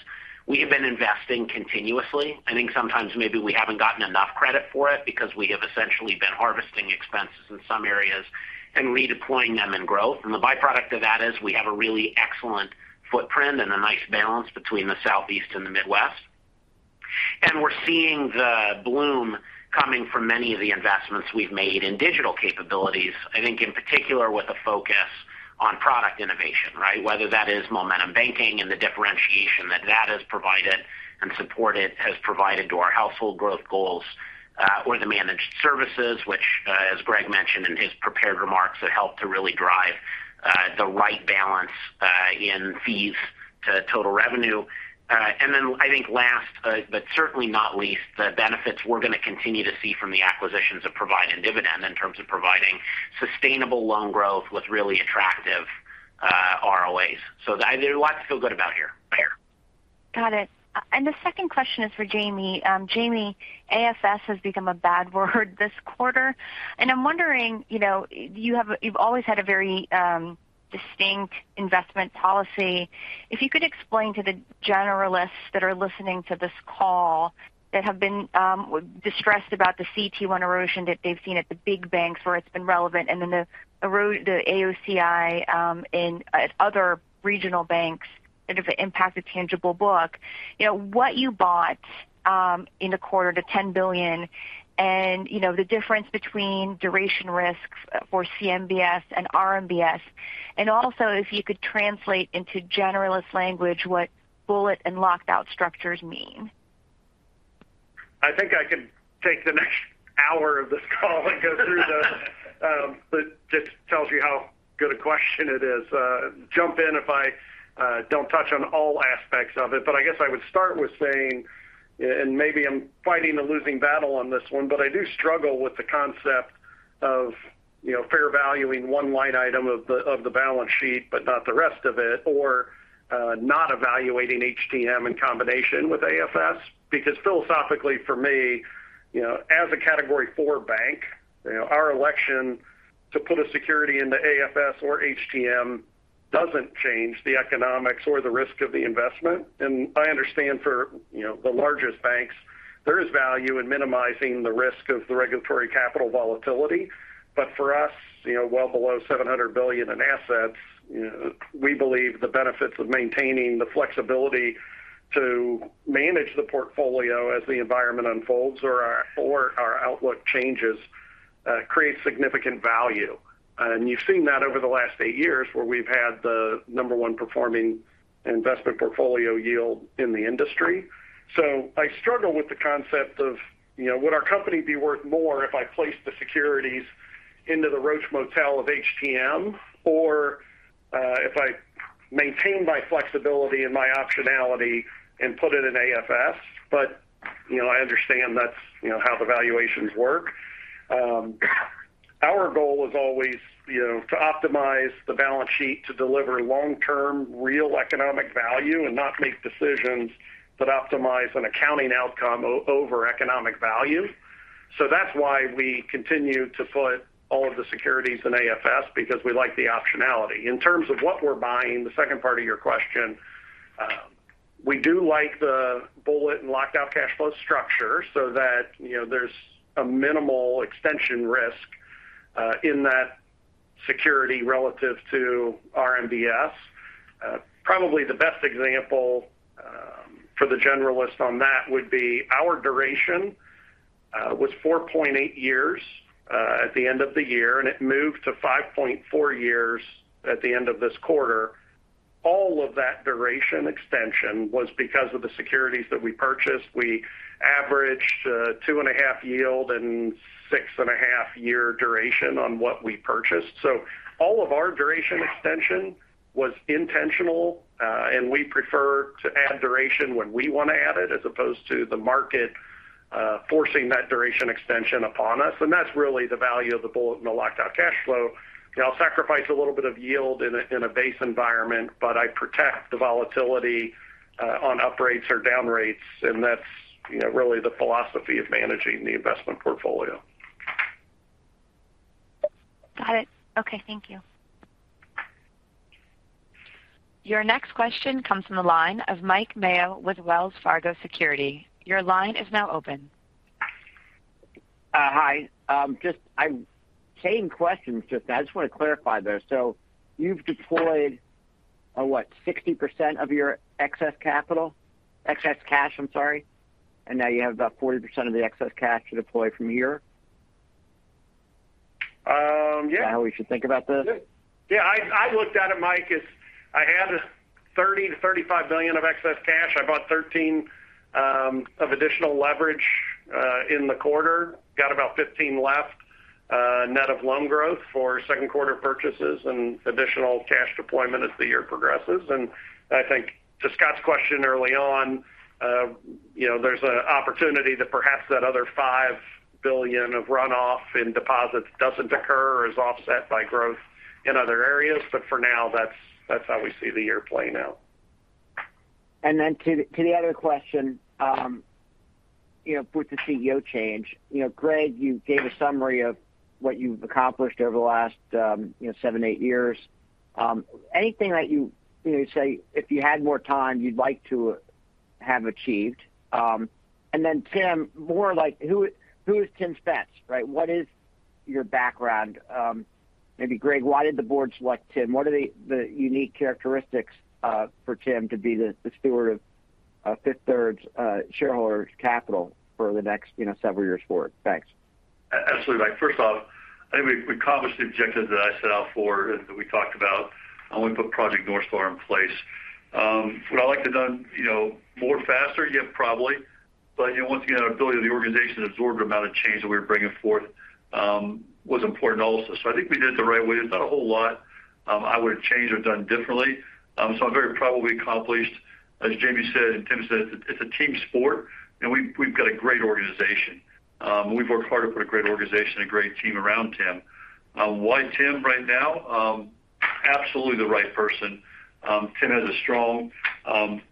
We have been investing continuously. I think sometimes maybe we haven't gotten enough credit for it because we have essentially been harvesting expenses in some areas and redeploying them in growth. The byproduct of that is we have a really excellent footprint and a nice balance between the Southeast and the Midwest. We're seeing the bloom coming from many of the investments we've made in digital capabilities. I think in particular with a focus on product innovation, right? Whether that is Momentum Banking and the differentiation that has provided and supported to our household growth goals, or the managed services, which, as Greg mentioned in his prepared remarks, have helped to really drive the right balance in fees to total revenue. And then I think last, but certainly not least, the benefits we're going to continue to see from the acquisitions of Provide and Dividend in terms of providing sustainable loan growth with really attractive ROAs. There's a lot to feel good about here. Got it. The second question is for Jamie. Jamie, AFS has become a bad word this quarter. I'm wondering, you know, you've always had a very distinct investment policy. If you could explain to the generalists that are listening to this call that have been distressed about the CET1 erosion that they've seen at the big banks where it's been relevant and then the AOCI at other regional banks that have impacted tangible book. You know, what you bought in the quarter to $10 billion and, you know, the difference between duration risks for CMBS and RMBS. Also, if you could translate into generalist language what bullet and lockout structures mean. I think I can take the next hour of this call and go through those. But just tells you how good a question it is. Jump in if I don't touch on all aspects of it. I guess I would start with saying, and maybe I'm fighting a losing battle on this one, but I do struggle with the concept of, you know, fair valuing one line item of the balance sheet, but not the rest of it, or not evaluating HTM in combination with AFS. Because philosophically for me, you know, as a category four bank, you know, our election to put a security into AFS or HTM doesn't change the economics or the risk of the investment. I understand for, you know, the largest banks, there is value in minimizing the risk of the regulatory capital volatility. For us, you know, well below $700 billion in assets, you know, we believe the benefits of maintaining the flexibility to manage the portfolio as the environment unfolds or our outlook changes creates significant value. You've seen that over the last eight years where we've had the number one performing investment portfolio yield in the industry. I struggle with the concept of, you know, would our company be worth more if I place the securities into the Roach Motel of HTM or if I maintain my flexibility and my optionality and put it in AFS. You know, I understand that's, you know, how the valuations work. Our goal is always, you know, to optimize the balance sheet to deliver long-term, real economic value and not make decisions that optimize an accounting outcome over economic value. That's why we continue to put all of the securities in AFS because we like the optionality. In terms of what we're buying, the second part of your question, we do like the bullet and locked out cash flow structure so that, you know, there's a minimal extension risk in that security relative to RMBS. Probably the best example for the generalist on that would be our duration was 4.8 years at the end of the year, and it moved to 5.4 years at the end of this quarter. All of that duration extension was because of the securities that we purchased. We averaged 2.5% yield and 6.5-year duration on what we purchased. All of our duration extension was intentional, and we prefer to add duration when we want to add it as opposed to the market forcing that duration extension upon us. That's really the value of the bullet and the locked out cash flow. I'll sacrifice a little bit of yield in a base environment, but I protect the volatility on up rates or down rates, and that's, you know, really the philosophy of managing the investment portfolio. Got it. Okay, thank you. Your next question comes from the line of Mike Mayo with Wells Fargo Securities. Your line is now open. Hi. Just same question. I just want to clarify, though. You've deployed, what, 60% of your excess cash, I'm sorry. Now you have about 40% of the excess cash to deploy from here? Yeah. Is that how we should think about this? Yeah. I looked at it, Mike, as I had $30 billion-$35 billion of excess cash. I bought $13 billion of additional leverage in the quarter. Got about $15 billion left, net of loan growth for second quarter purchases and additional cash deployment as the year progresses. I think to Scott's question early on, you know, there's an opportunity that perhaps that other $5 billion of runoff in deposits doesn't occur or is offset by growth in other areas. For now, that's how we see the year playing out. To the other question, you know, with the CEO change. You know, Greg, you gave a summary of what you've accomplished over the last, you know, seven, eight years. Anything that you say if you had more time you'd like to have achieved. And then Tim, more like who is Tim Spence, right? What is your background? Maybe Greg, why did the board select Tim? What are the unique characteristics for Tim to be the steward of Fifth Third's shareholders' capital for the next, you know, several years forward? Thanks. Absolutely. First off, I think we accomplished the objectives that I set out for and that we talked about when we put Project NorthStar in place. Would I like to done, you know, more faster? Yeah, probably. You know, once again, our ability of the organization to absorb the amount of change that we were bringing forth was important also. I think we did it the right way. There's not a whole lot I would have changed or done differently. So I'm very proud of what we accomplished. As Jamie said and Tim said, it's a team sport, and we've got a great organization. And we've worked hard to put a great organization, a great team around Tim. Why Tim right now? Absolutely the right person. Tim has a strong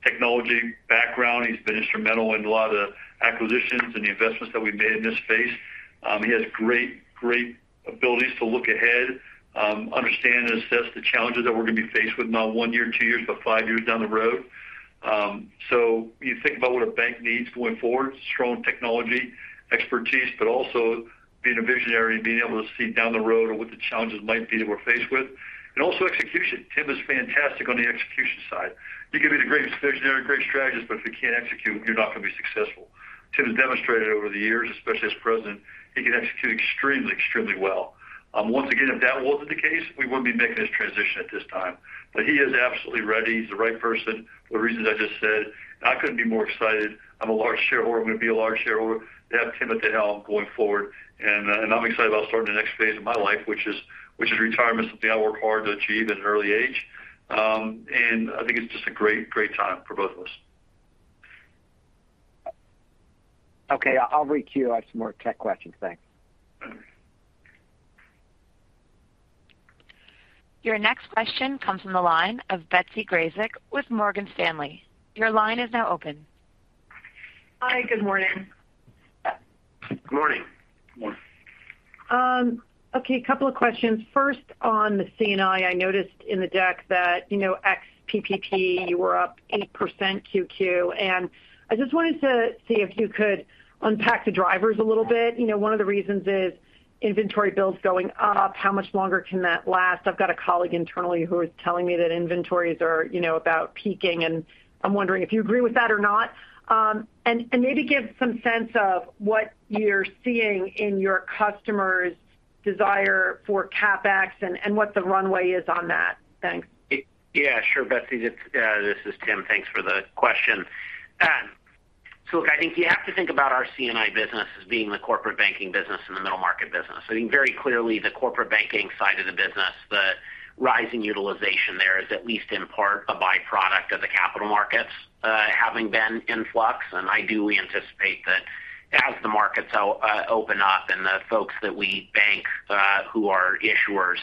technology background. He's been instrumental in a lot of the acquisitions and the investments that we've made in this space. He has great abilities to look ahead, understand and assess the challenges that we're going to be faced with not one year, two years, but five years down the road. You think about what a bank needs going forward, strong technology expertise, but also being a visionary and being able to see down the road or what the challenges might be that we're faced with. Also execution. Tim is fantastic on the execution side. You could be the greatest visionary, great strategist, but if you can't execute, you're not going to be successful. Tim has demonstrated over the years, especially as president, he can execute extremely well. Once again, if that wasn't the case, we wouldn't be making this transition at this time. He is absolutely ready. He's the right person for the reasons I just said. I couldn't be more excited. I'm a large shareholder. I'm going to be a large shareholder to have Tim at the helm going forward. I'm excited about starting the next phase of my life, which is retirement. It's something I worked hard to achieve at an early age. I think it's just a great time for both of us. Okay. I'll requeue. I have some more tech questions. Thanks. Your next question comes from the line of Betsy Graseck with Morgan Stanley. Your line is now open. Hi. Good morning. Good morning. Morning. Okay, a couple of questions. First on the C&I noticed in the deck that, you know, ex PPP, you were up 8% Q2Q. I just wanted to see if you could unpack the drivers a little bit. You know, one of the reasons is inventory bills going up. How much longer can that last? I've got a colleague internally who is telling me that inventories are, you know, about peaking, and I'm wondering if you agree with that or not, and maybe give some sense of what you're seeing in your customers' desire for CapEx and what the runway is on that. Thanks. Yeah, sure, Betsy. This is Tim. Thanks for the question. So look, I think you have to think about our C&I business as being the corporate banking business and the middle market business. I think very clearly the corporate banking side of the business, the rising utilization there is at least in part a by-product of the capital markets having been in flux. I do anticipate that as the markets open up and the folks that we bank who are issuers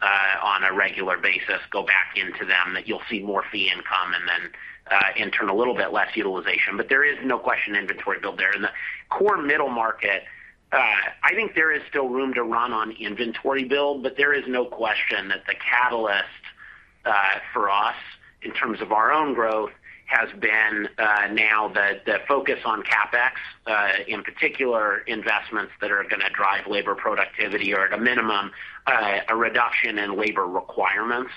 on a regular basis go back into them, that you'll see more fee income and then in turn a little bit less utilization. There is no question inventory build there. In the core middle market, I think there is still room to run on inventory build, but there is no question that the catalyst for us in terms of our own growth has been now the focus on CapEx, in particular investments that are going to drive labor productivity or at a minimum, a reduction in labor requirements.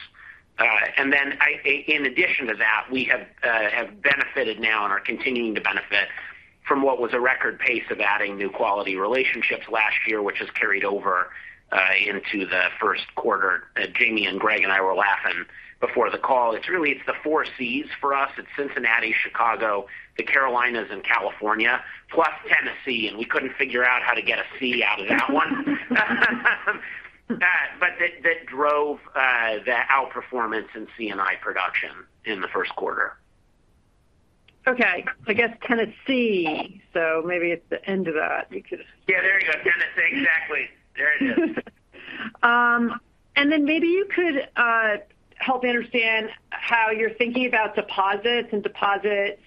In addition to that, we have benefited now and are continuing to benefit from what was a record pace of adding new quality relationships last year, which has carried over into the first quarter. Jamie and Greg and I were laughing before the call. It's the four Cs for us. It's Cincinnati, Chicago, the Carolinas, and California, plus Tennessee. We couldn't figure out how to get a C out of that one. That drove the outperformance in C&I production in the first quarter. Okay. I guess Tennessee, so maybe it's the end of that. Yeah, there you go. Tennessee. Exactly. There it is. Maybe you could help understand how you're thinking about deposits and deposit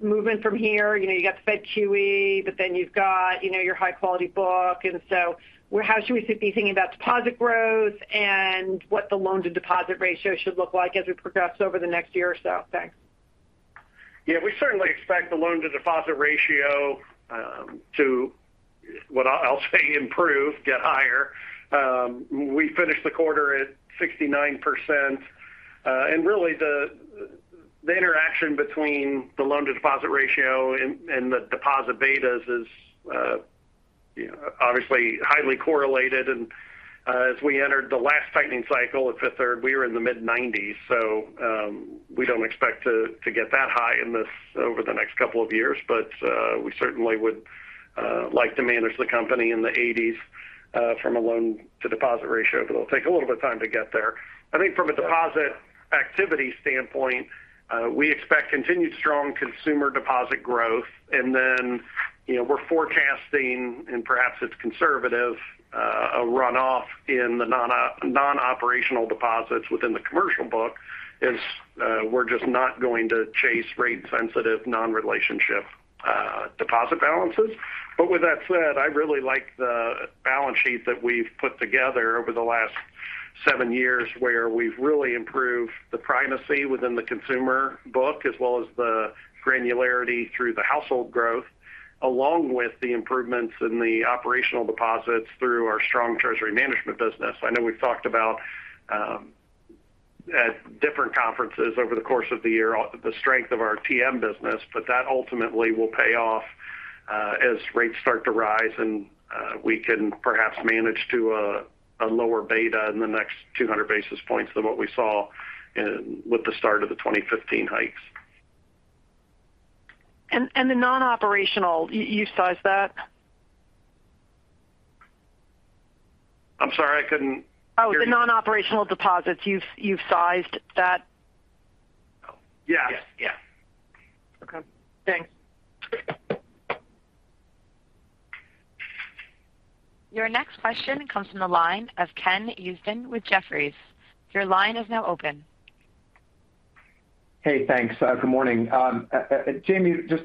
movement from here. You know, you got the Fed QE, but then you've got, you know, your high-quality book. How should we be thinking about deposit growth and what the loan to deposit ratio should look like as we progress over the next year or so? Thanks. Yeah. We certainly expect the loan to deposit ratio to improve, get higher. We finished the quarter at 69%. Really the interaction between the loan to deposit ratio and the deposit betas is, you know, obviously highly correlated. As we entered the last tightening cycle at Fifth Third, we were in the mid-90s. We don't expect to get that high in this over the next couple of years. We certainly would like to manage the company in the 80s from a loan to deposit ratio, but it'll take a little bit of time to get there. I think from a deposit activity standpoint, we expect continued strong consumer deposit growth. You know, we're forecasting, and perhaps it's conservative, a runoff in the non-operational deposits within the commercial book as we're just not going to chase rate-sensitive non-relationship deposit balances. With that said, I really like the balance sheet that we've put together over the last seven years where we've really improved the primacy within the consumer book, as well as the granularity through the household growth, along with the improvements in the operational deposits through our strong treasury management business. I know we've talked about at different conferences over the course of the year the strength of our TM business, but that ultimately will pay off as rates start to rise and we can perhaps manage to a lower beta in the next 200 basis points than what we saw with the start of the 2015 hikes. the non-operational, you sized that? I'm sorry, I couldn't hear you. Oh, the non-operational deposits, you've sized that? Yes. Yes. Okay. Thanks. Your next question comes from the line of Ken Usdin with Jefferies. Your line is now open. Hey, thanks. Good morning. Jamie, just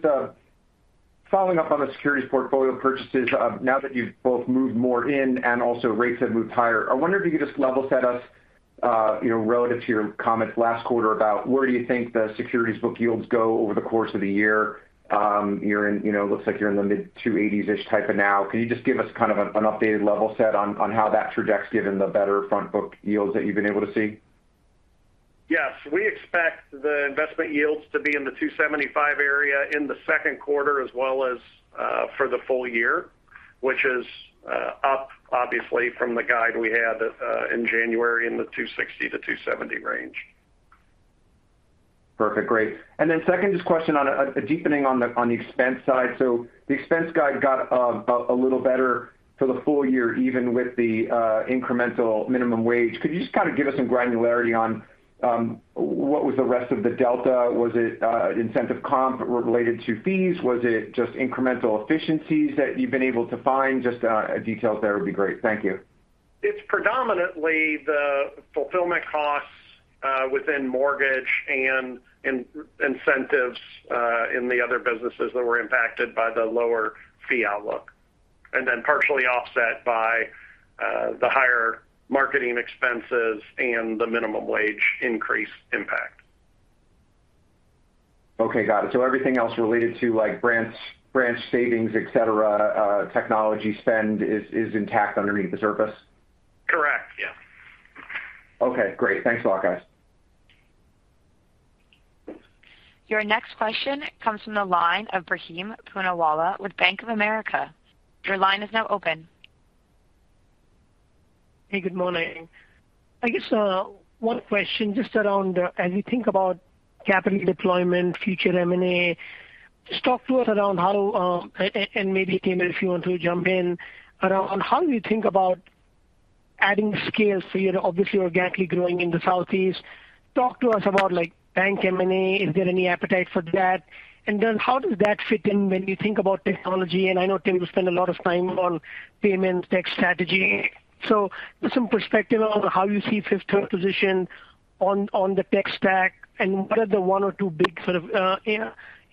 following up on the securities portfolio purchases, now that you've bought more in and also rates have moved higher. I wonder if you could just level set us, you know, relative to your comments last quarter about where do you think the securities book yields go over the course of the year? You're in, you know, looks like you're in the mid-280s-ish type of now. Can you just give us kind of an updated level set on how that trajects given the better front book yields that you've been able to see? Yes. We expect the investment yields to be in the 2.75 area in the second quarter as well as for the full year, which is up obviously from the guide we had in January in the 2.60-2.70 range. Perfect. Great. Then second, just a question on a deepening on the expense side. The expense guide got a little better for the full year, even with the incremental minimum wage. Could you just kind of give us some granularity on what was the rest of the delta? Was it incentive comp related to fees? Was it just incremental efficiencies that you've been able to find? Just details there would be great. Thank you. It's predominantly the fulfillment costs within mortgage and incentives in the other businesses that were impacted by the lower fee outlook, and then partially offset by the higher marketing expenses and the minimum wage increase impact. Okay. Got it. Everything else related to, like, branch savings, et cetera, technology spend is intact underneath the surface? Correct. Yes. Okay, great. Thanks a lot, guys. Your next question comes from the line of Ebrahim Poonawala with Bank of America. Your line is now open. Hey, good morning. I guess one question just around, as you think about capital deployment, future M&A. Just talk to us around how and maybe, Tim, if you want to jump in, around how do you think about adding scale. So you're obviously organically growing in the southeast. Talk to us about, like, bank M&A. Is there any appetite for that? And then how does that fit in when you think about technology? And I know Tim will spend a lot of time on payments, tech strategy. So just some perspective on how you see Fifth Third position on the tech stack, and what are the one or two big sort of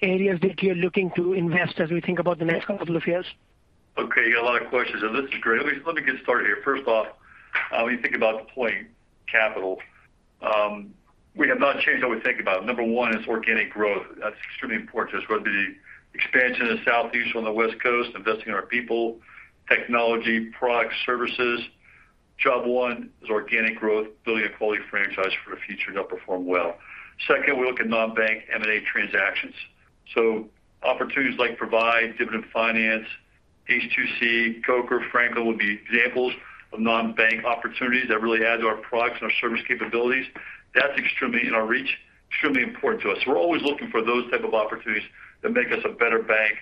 areas that you're looking to invest as we think about the next couple of years? Okay. You got a lot of questions, and this is great. Let me get started here. First off, when you think about deploying capital, we have not changed how we think about it. Number one is organic growth. That's extremely important to us, whether it be expansion in the southeast or on the West Coast, investing in our people, technology, products, services. Job one is organic growth, building a quality franchise for the future to help perform well. Second, we look at non-bank M&A transactions. Opportunities like Provide, Dividend Finance, H2C, Coker, Franklin would be examples of non-bank opportunities that really add to our products and our service capabilities. That's extremely within our reach, extremely important to us. We're always looking for those type of opportunities that make us a better bank.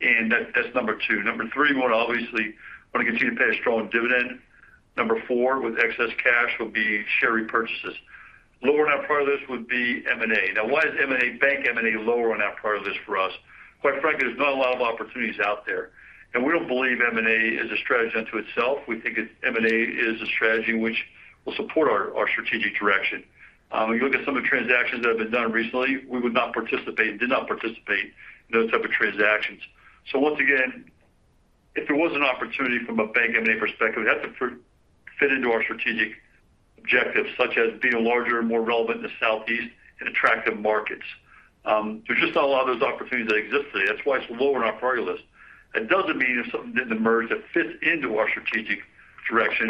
That's number two. Number three, we want to obviously continue to pay a strong dividend. Number four, with excess cash, will be share repurchases. Lower on our priority list would be M&A. Now why is M&A, bank M&A lower on our priority list for us? Quite frankly, there's not a lot of opportunities out there, and we don't believe M&A is a strategy unto itself. We think it's M&A is a strategy which will support our strategic direction. When you look at some of the transactions that have been done recently, we would not participate, did not participate in those type of transactions. Once again, if there was an opportunity from a bank M&A perspective, it'd have to fit into our strategic objectives, such as being larger and more relevant in the southeast and attractive markets. There's just not a lot of those opportunities that exist today. That's why it's lower on our priority list. It doesn't mean if something didn't emerge that fits into our strategic direction,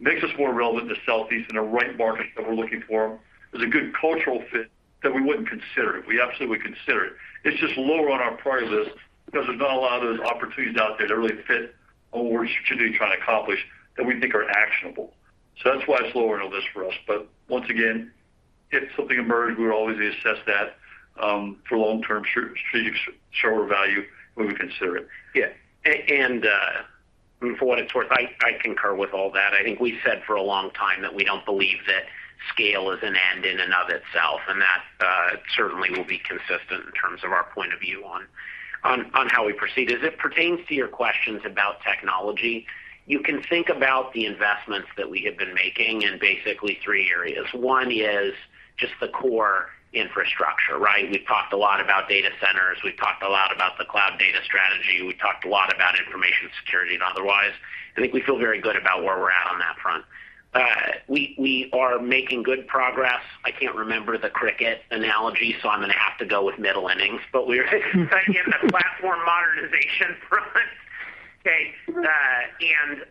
makes us more relevant in the Southeast, in the right market that we're looking for. There's a good cultural fit that we wouldn't consider it. We absolutely consider it. It's just lower on our priority list because there's not a lot of those opportunities out there that really fit what we're strategically trying to accomplish that we think are actionable. That's why it's lower on the list for us. Once again, if something emerged, we would always assess that, for long-term strategic shareholder value, we would consider it. Yeah. And for what it's worth, I concur with all that. I think we said for a long time that we don't believe that scale is an end in and of itself, and that certainly will be consistent in terms of our point of view on how we proceed. As it pertains to your questions about technology, you can think about the investments that we have been making in basically three areas. One is just the core infrastructure, right? We've talked a lot about data centers. We've talked a lot about the cloud data strategy. We talked a lot about information security and otherwise. I think we feel very good about where we're at on that front. We are making good progress. I can't remember the cricket analogy, so I'm going to have to go with middle innings. We're in the platform modernization front. Okay.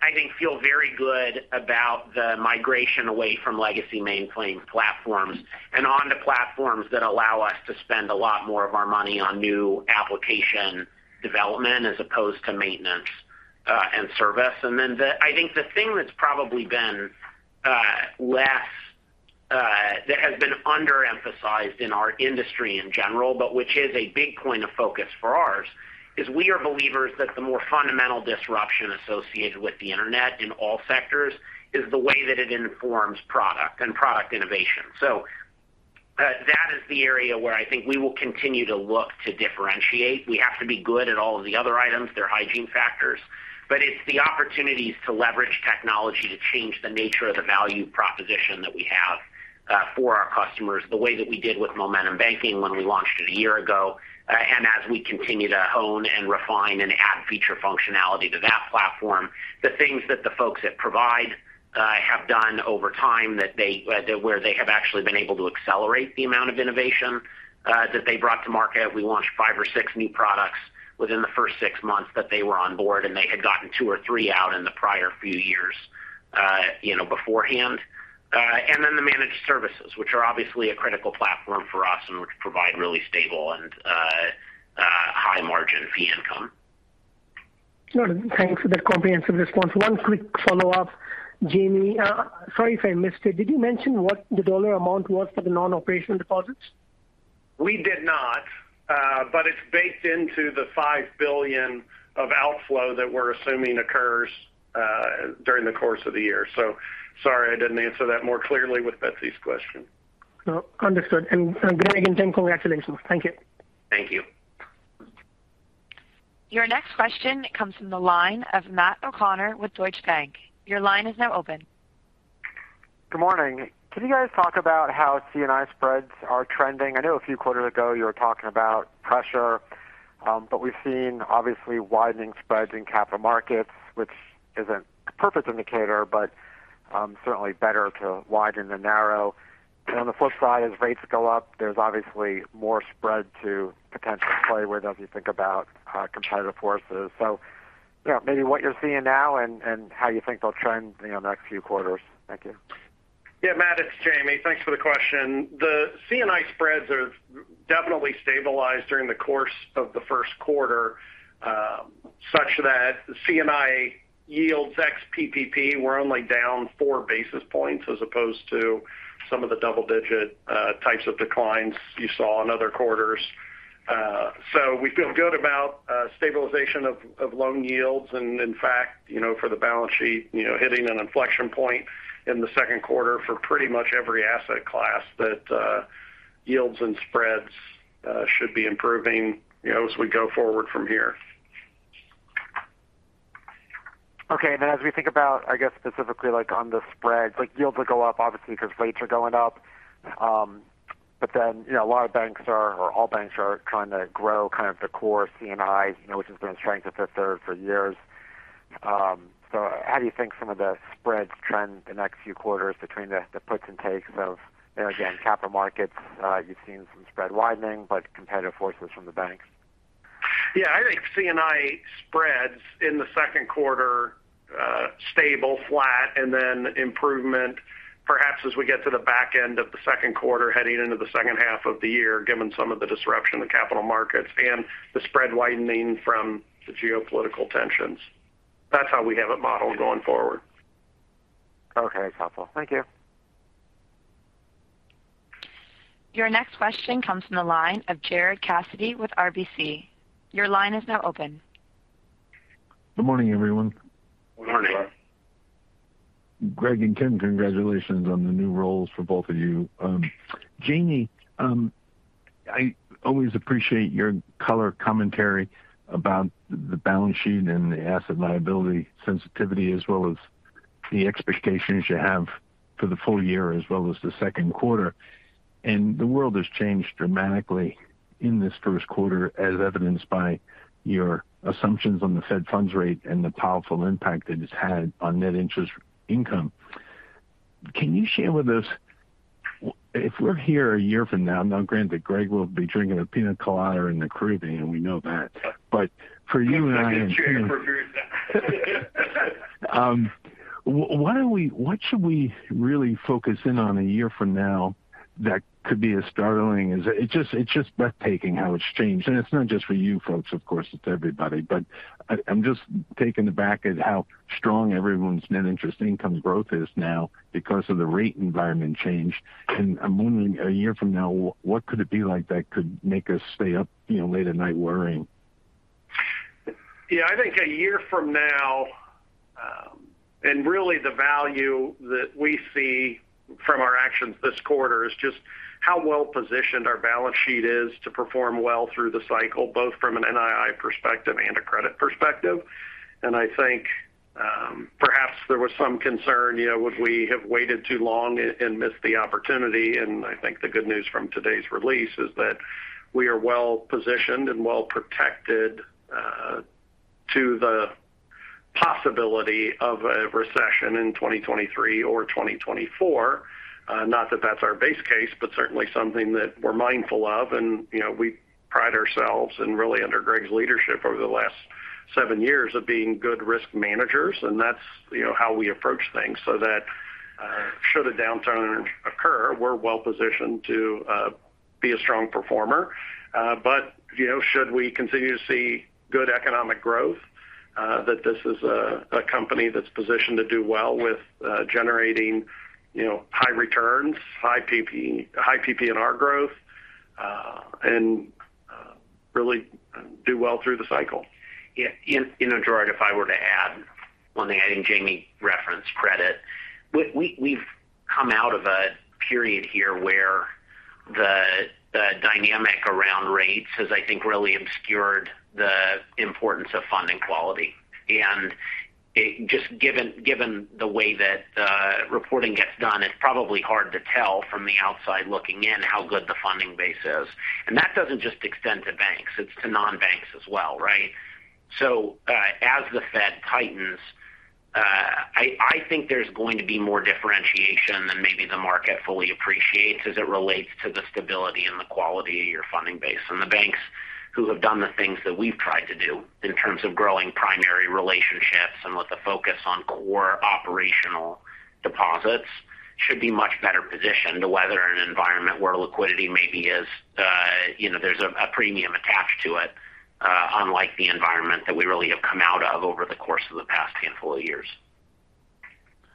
I think we feel very good about the migration away from legacy mainframe platforms and onto platforms that allow us to spend a lot more of our money on new application development as opposed to maintenance, and service. I think the thing that has been underemphasized in our industry in general, but which is a big point of focus for ours, is we are believers that the more fundamental disruption associated with the internet in all sectors is the way that it informs product innovation. That is the area where I think we will continue to look to differentiate. We have to be good at all of the other items. They're hygiene factors. It's the opportunities to leverage technology to change the nature of the value proposition that we have for our customers, the way that we did with Momentum Banking when we launched it a year ago. As we continue to hone and refine and add feature functionality to that platform. The things that the folks at Provide have done over time where they have actually been able to accelerate the amount of innovation that they brought to market. We launched five or six new products within the first six months that they were on board, and they had gotten two or three out in the prior few years, you know, beforehand. Then the managed services, which are obviously a critical platform for us and which provide really stable and high margin fee income. Got it. Thanks for that comprehensive response. One quick follow-up. Jamie, sorry if I missed it. Did you mention what the dollar amount was for the non-operating deposits? We did not, but it's baked into the $5 billion of outflow that we're assuming occurs during the course of the year. Sorry I didn't answer that more clearly with Betsy's question. Understood. Great again, Tim, congratulations. Thank you. Thank you. Your next question comes from the line of Matt O'Connor with Deutsche Bank. Your line is now open. Good morning. Can you guys talk about how C&I spreads are trending? I know a few quarters ago you were talking about pressure, but we've seen obviously widening spreads in capital markets, which isn't a perfect indicator, but certainly better to widen than narrow. On the flip side, as rates go up, there's obviously more spread to potentially play with as you think about competitive forces. Maybe what you're seeing now and how you think they'll trend, you know, next few quarters. Thank you. Yeah, Matt, it's Jamie. Thanks for the question. The C&I spreads have definitely stabilized during the course of the first quarter, such that C&I yields ex PPP were only down four basis points as opposed to some of the double-digit types of declines you saw in other quarters. So we feel good about stabilization of loan yields. In fact, you know, for the balance sheet, you know, hitting an inflection point in the second quarter for pretty much every asset class that yields and spreads should be improving, you know, as we go forward from here. Okay. Then as we think about, I guess, specifically like on the spreads, like yields will go up obviously because rates are going up. But then, you know, a lot of banks are or all banks are trying to grow kind of the core C&Is, you know, which has been a strength of Fifth Third for years. How do you think some of the spreads trend the next few quarters between the puts and takes of, you know, again, capital markets, you've seen some spread widening, but competitive forces from the banks? Yeah, I think C&I spreads in the second quarter, stable, flat, and then improvement perhaps as we get to the back end of the second quarter heading into the second half of the year, given some of the disruption in the capital markets and the spread widening from the geopolitical tensions. That's how we have it modeled going forward. Okay. Helpful. Thank you. Your next question comes from the line of Gerard Cassidy with RBC. Your line is now open. Good morning, everyone. Good morning. Greg and Tim, congratulations on the new roles for both of you. Jamie, I always appreciate your color commentary about the balance sheet and the asset liability sensitivity, as well as the expectations you have for the full year as well as the second quarter. The world has changed dramatically in this first quarter, as evidenced by your assumptions on the Fed funds rate and the powerful impact it has had on net interest income. Can you share with us if we're here a year from now granted, Greg will be drinking a piña colada in the Caribbean, we know that. But for you and I, what should we really focus in on a year from now that could be as startling as it's just breathtaking how it's changed. It's not just for you folks, of course, it's everybody. I'm just taken aback at how strong everyone's net interest income growth is now because of the rate environment change. I'm wondering, a year from now, what could it be like that could make us stay up, you know, late at night worrying? Yeah, I think a year from now, really the value that we see from our actions this quarter is just how well-positioned our balance sheet is to perform well through the cycle, both from an NII perspective and a credit perspective. I think, perhaps there was some concern, you know, would we have waited too long and missed the opportunity? I think the good news from today's release is that we are well-positioned and well-protected to the possibility of a recession in 2023 or 2024. Not that that's our base case, but certainly something that we're mindful of. You know, we pride ourselves and really under Greg's leadership over the last seven years of being good risk managers, and that's, you know, how we approach things so that, should a downturn occur, we're well-positioned to be a strong performer. You know, should we continue to see good economic growth, that this is a company that's positioned to do well with generating, you know, high returns, high PPNR growth, and really do well through the cycle. Yeah. You know, Gerard, if I were to add one thing, I think Jamie referenced credit. We've come out of a period here where the dynamic around rates has, I think, really obscured the importance of funding quality. It's just, given the way that reporting gets done, it's probably hard to tell from the outside looking in how good the funding base is. That doesn't just extend to banks, it's to non-banks as well, right? As the Fed tightens, I think there's going to be more differentiation than maybe the market fully appreciates as it relates to the stability and the quality of your funding base. The banks who have done the things that we've tried to do in terms of growing primary relationships and with the focus on core operational deposits should be much better positioned to weather an environment where liquidity maybe is, you know, there's a premium attached to it, unlike the environment that we really have come out of over the course of the past handful of years.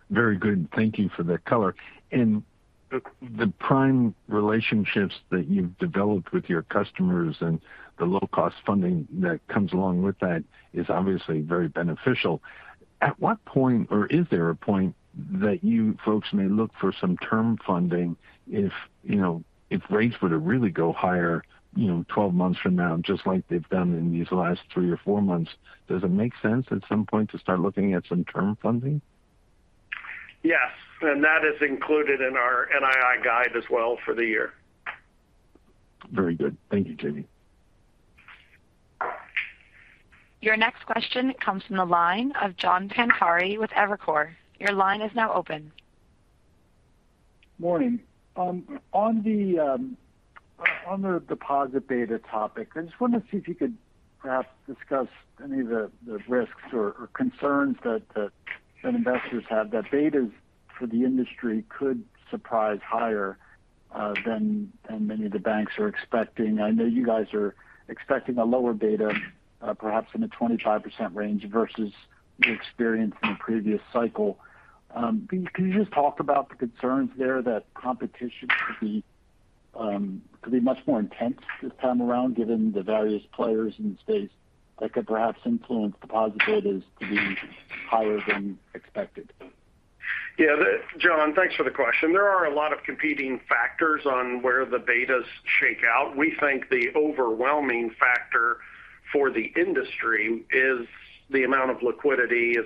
Very good. Thank you for the color. The prime relationships that you've developed with your customers and the low-cost funding that comes along with that is obviously very beneficial. At what point, or is there a point that you folks may look for some term funding if, you know, if rates were to really go higher, you know, 12 months from now, just like they've done in these last three or four months? Does it make sense at some point to start looking at some term funding? Yes. That is included in our NII guide as well for the year. Very good. Thank you, Jamie. Your next question comes from the line of John Pancari with Evercore. Your line is now open. Morning. On the deposit beta topic, I just wanted to see if you could perhaps discuss any of the risks or concerns that investors have that betas for the industry could surprise higher than many of the banks are expecting. I know you guys are expecting a lower beta, perhaps in the 25% range versus the experience in the previous cycle. Can you just talk about the concerns there that competition could be much more intense this time around given the various players in the space that could perhaps influence deposit betas to be higher than expected? Yeah. John, thanks for the question. There are a lot of competing factors on where the betas shake out. We think the overwhelming factor for the industry is the amount of liquidity,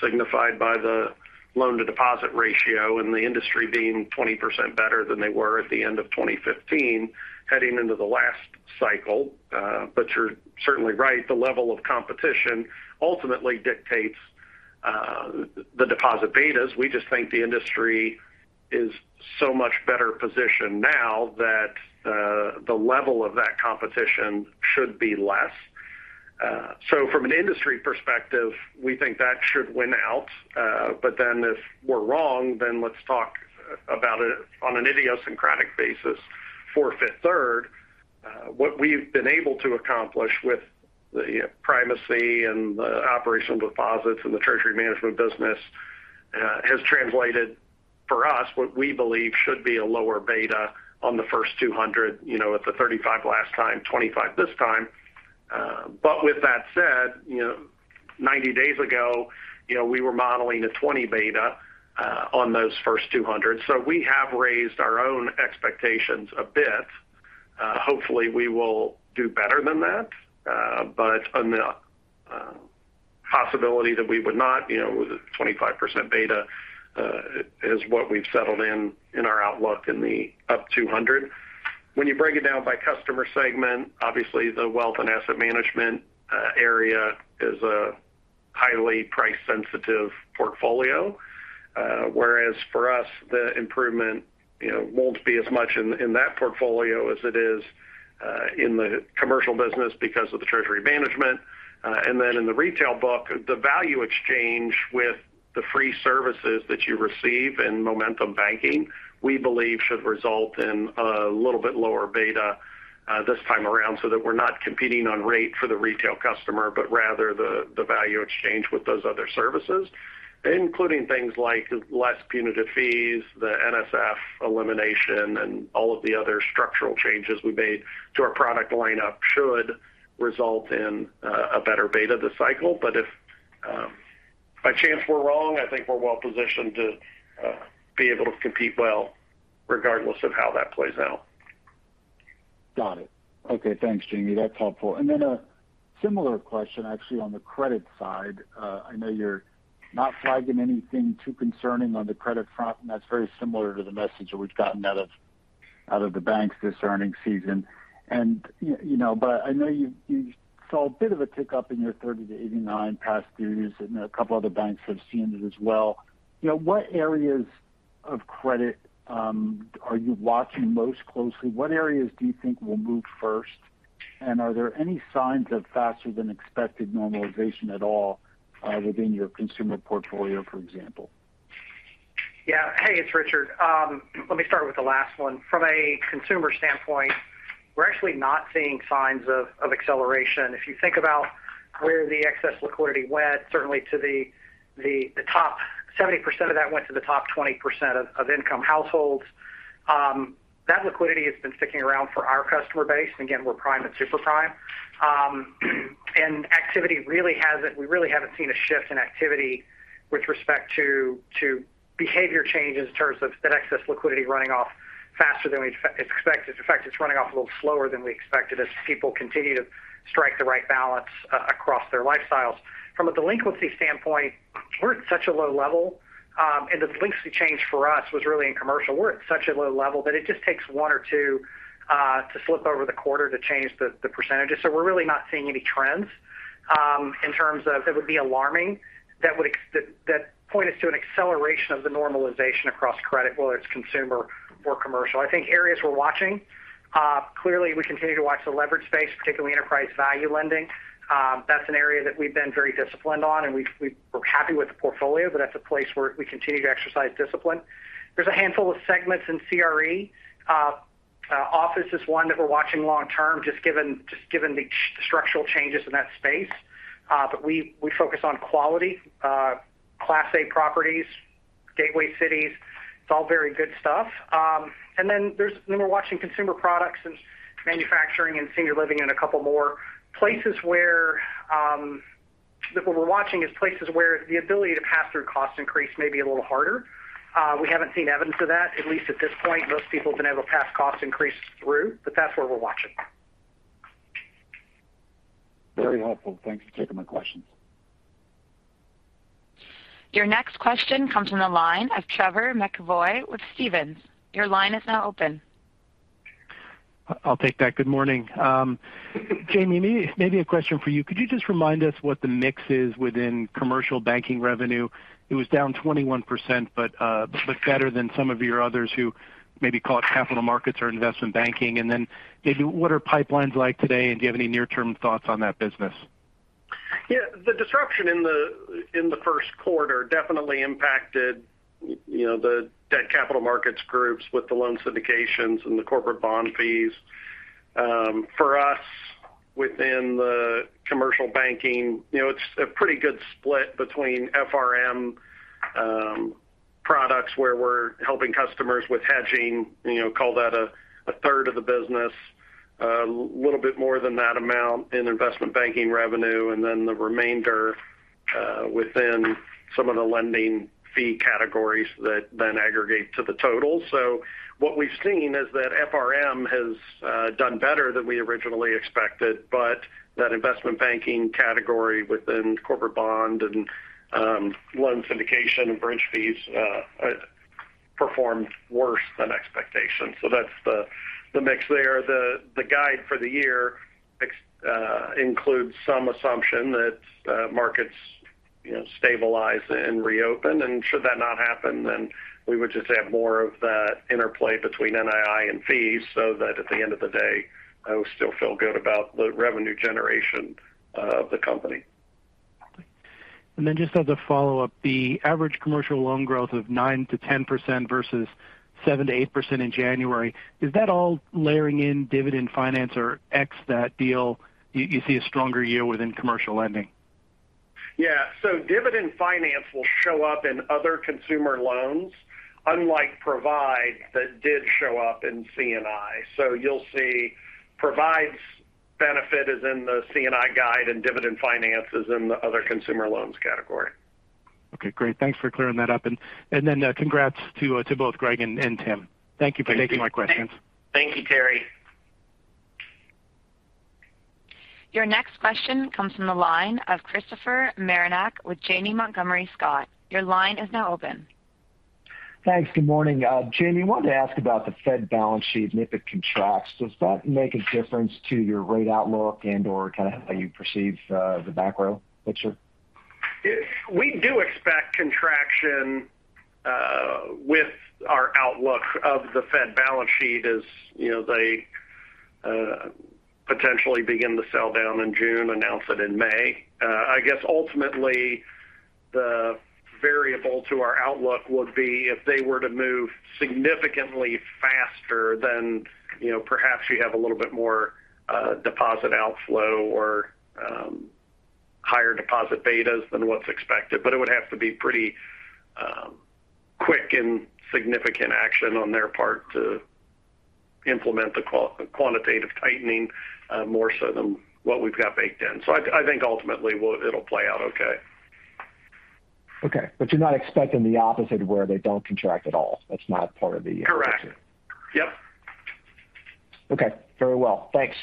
signified by the loan-to-deposit ratio and the industry being 20% better than they were at the end of 2015 heading into the last cycle. You're certainly right. The level of competition ultimately dictates the deposit betas. We just think the industry is so much better positioned now that the level of that competition should be less. From an industry perspective, we think that should win out. Then if we're wrong, then let's talk about it on an idiosyncratic basis. For Fifth Third, what we've been able to accomplish with the primary and the operational deposits and the treasury management business, has translated for us what we believe should be a lower beta on the first 200, you know, at the 35 last time, 25 this time. With that said, you know, 90 days ago, you know, we were modeling a 20 beta on those first 200. We have raised our own expectations a bit. Hopefully, we will do better than that. On the possibility that we would not, you know, with a 25% beta, is what we've settled in in our outlook in the up 200. When you break it down by customer segment, obviously the wealth and asset management area is a highly price-sensitive portfolio. Whereas for us, the improvement, you know, won't be as much in that portfolio as it is in the commercial business because of the treasury management. In the retail book, the value exchange with the free services that you receive in Momentum Banking, we believe should result in a little bit lower beta this time around so that we're not competing on rate for the retail customer, but rather the value exchange with those other services, including things like less punitive fees, the NSF elimination, and all of the other structural changes we made to our product lineup should result in a better beta this cycle. If by chance we're wrong, I think we're well-positioned to be able to compete well regardless of how that plays out. Got it. Okay, thanks, Jamie. That's helpful. A similar question actually on the credit side. I know you're not flagging anything too concerning on the credit front, and that's very similar to the message that we've gotten out of the banks this earnings season. You know, but I know you saw a bit of a tick up in your 30-89 past dues, and a couple other banks have seen it as well. You know, what areas of credit are you watching most closely? What areas do you think will move first? Are there any signs of faster than expected normalization at all within your consumer portfolio, for example? Hey, it's Richard. Let me start with the last one. From a consumer standpoint, we're actually not seeing signs of acceleration. If you think about where the excess liquidity went, certainly to the top 70% of that went to the top 20% of income households. That liquidity has been sticking around for our customer base. Again, we're prime and super prime. Activity really hasn't we really haven't seen a shift in activity with respect to behavior changes in terms of that excess liquidity running off faster than we expect. In fact, it's running off a little slower than we expected as people continue to strike the right balance across their lifestyles. From a delinquency standpoint, we're at such a low level, and the delinquency change for us was really in commercial. We're at such a low level that it just takes one or two to flip over the quarter to change the percentages. We're really not seeing any trends in terms of it would be alarming that would point us to an acceleration of the normalization across credit, whether it's consumer or commercial. I think areas we're watching clearly we continue to watch the leverage space, particularly enterprise value lending. That's an area that we've been very disciplined on, and we're happy with the portfolio, but that's a place where we continue to exercise discipline. There's a handful of segments in CRE. Office is one that we're watching long-term, just given the structural changes in that space. We focus on quality Class A properties, gateway cities. It's all very good stuff. We're watching consumer products and manufacturing and senior living and a couple more places where that's what we're watching is places where the ability to pass through cost increase may be a little harder. We haven't seen evidence of that, at least at this point. Most people have been able to pass cost increases through, but that's where we're watching. Very helpful. Thanks for taking my questions. Your next question comes from the line of Terry McEvoy with Stephens. Your line is now open. I'll take that. Good morning. Jamie, maybe a question for you. Could you just remind us what the mix is within commercial banking revenue? It was down 21%, but better than some of your others who maybe call it capital markets or investment banking. Then maybe what are pipelines like today, and do you have any near-term thoughts on that business? Yeah. The disruption in the first quarter definitely impacted, you know, the debt capital markets groups with the loan syndications and the corporate bond fees. For us, within the commercial banking, you know, it's a pretty good split between FRM products where we're helping customers with hedging. You know, call that a third of the business. A little bit more than that amount in investment banking revenue, and then the remainder within some of the lending fee categories that then aggregate to the total. What we've seen is that FRM has done better than we originally expected, but that investment banking category within corporate bond and loan syndication and bridge fees performed worse than expectations. That's the mix there. The guide for the year includes some assumption that markets, you know, stabilize and reopen. Should that not happen, then we would just have more of that interplay between NII and fees so that at the end of the day, I would still feel good about the revenue generation of the company. Just as a follow-up, the average commercial loan growth of 9%-10% versus 7%-8% in January, is that all layering in Dividend Finance or ex that deal you see a stronger year within commercial lending? Yeah. Dividend Finance will show up in other consumer loans, unlike Provide that did show up in C&I. You'll see Provide's benefit is in the C&I guide and Dividend Finance is in the other consumer loans category. Okay, great. Thanks for clearing that up. Congrats to both Greg and Tim. Thank you for taking my questions. Thank you, Terry. Your next question comes from the line of Christopher Marinac with Janney Montgomery Scott. Your line is now open. Thanks. Good morning. Jamie, I wanted to ask about the Fed balance sheet and if it contracts. Does that make a difference to your rate outlook and/or kind of how you perceive the back row picture? We do expect contraction with our outlook of the Fed balance sheet as, you know, they potentially begin to sell down in June, announce it in May. I guess ultimately the variable to our outlook would be if they were to move significantly faster than, you know, perhaps you have a little bit more deposit outflow or higher deposit betas than what's expected. It would have to be pretty quick in significant action on their part to implement the quantitative tightening, more so than what we've got baked in. I think ultimately it'll play out okay. Okay. You're not expecting the opposite where they don't contract at all. That's not part of the- Correct. Yep. Okay. Very well. Thanks.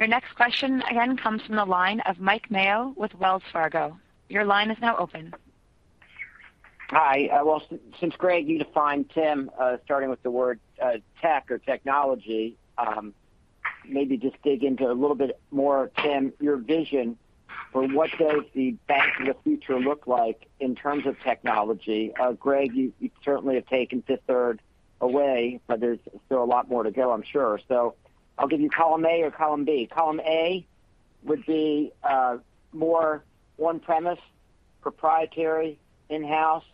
Your next question again comes from the line of Mike Mayo with Wells Fargo. Your line is now open. Hi. Well, since Greg, you defined Tim starting with the word tech or technology, maybe just dig into a little bit more, Tim, your vision for what does the bank of the future look like in terms of technology? Greg, you certainly have taken Fifth Third away, but there's still a lot more to go, I'm sure. I'll give you column A or column B. Column A would be more on-premise, proprietary, in-house,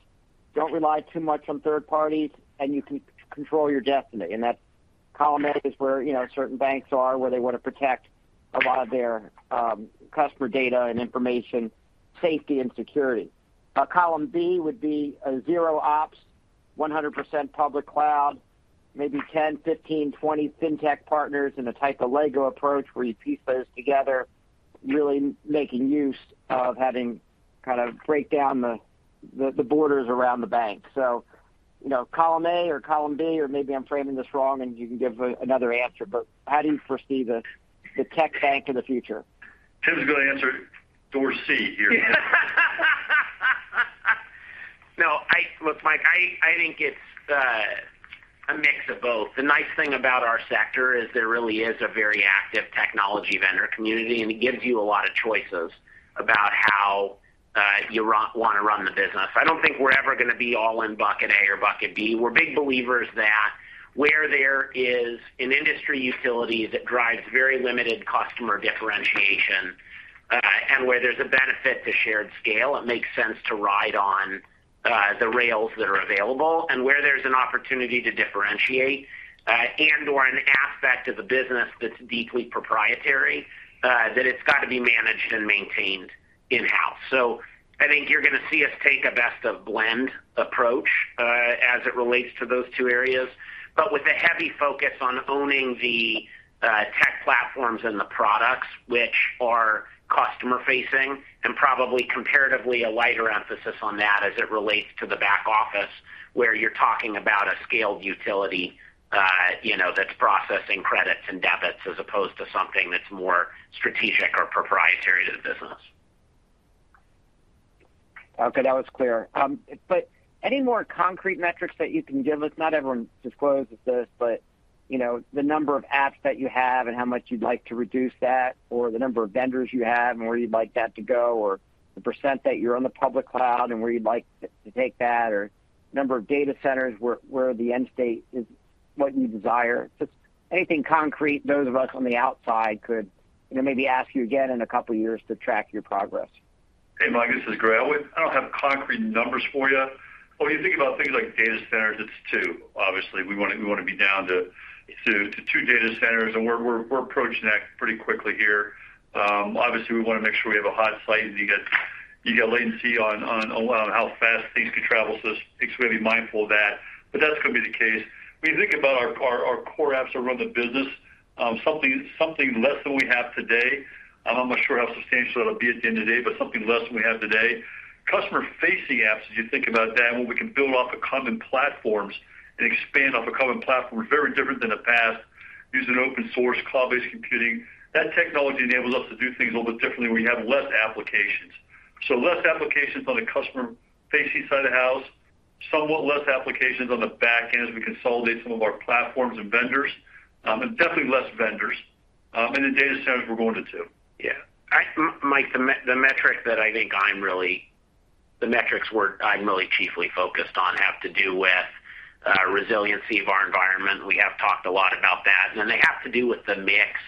don't rely too much on third parties, and you can control your destiny. That column A is where, you know, certain banks are, where they want to protect a lot of their customer data and information safety and security. Column B would be a zero ops, 100% public cloud, maybe 10, 15, 20 fintech partners in a type of Lego approach where you piece those together, really making use of having kind of break down the borders around the bank. You know, column A or column B, or maybe I'm framing this wrong and you can give another answer, but how do you foresee the tech bank in the future? Tim's going to answer door C here. No, look, Mike, I think it's a mix of both. The nice thing about our sector is there really is a very active technology vendor community, and it gives you a lot of choices about how you want to run the business. I don't think we're ever going to be all in bucket A or bucket B. We're big believers that where there is an industry utility that drives very limited customer differentiation, and where there's a benefit to shared scale, it makes sense to ride on the rails that are available. Where there's an opportunity to differentiate, and/or an aspect of the business that's deeply proprietary, then it's got to be managed and maintained in-house. I think you're going to see us take a best-of-breed approach as it relates to those two areas. With a heavy focus on owning the tech platforms and the products which are customer-facing, and probably comparatively a lighter emphasis on that as it relates to the back office, where you're talking about a scaled utility, you know, that's processing credits and debits as opposed to something that's more strategic or proprietary to the business. Okay. That was clear. But any more concrete metrics that you can give us? Not everyone discloses this, but, you know, the number of apps that you have and how much you'd like to reduce that, or the number of vendors you have and where you'd like that to go, or the percent that you're on the public cloud and where you'd like to take that, or number of data centers where the end state is what you desire. Just anything concrete those of us on the outside could, you know, maybe ask you again in a couple of years to track your progress. Hey, Mike, this is Greg. I don't have concrete numbers for you. When you think about things like data centers, it's two. Obviously, we want to be down to two data centers, and we're approaching that pretty quickly here. Obviously, we want to make sure we have a hot site and you get latency on how fast things can travel. So it's really mindful of that. But that's going to be the case. When you think about our core apps that run the business, something less than we have today. I'm not sure how sustainable that'll be at the end of the day, but something less than we have today. Customer-facing apps, as you think about that, well, we can build off of common platforms and expand off a common platform. Very different than the past. Using open source, cloud-based computing. That technology enables us to do things a little bit differently where you have less applications. Less applications on the customer-facing side of the house. Somewhat less applications on the back end as we consolidate some of our platforms and vendors. Definitely less vendors. The data centers we're going to two. Yeah. Mike, the metric that I think I'm really chiefly focused on have to do with resiliency of our environment. We have talked a lot about that. They have to do with the mix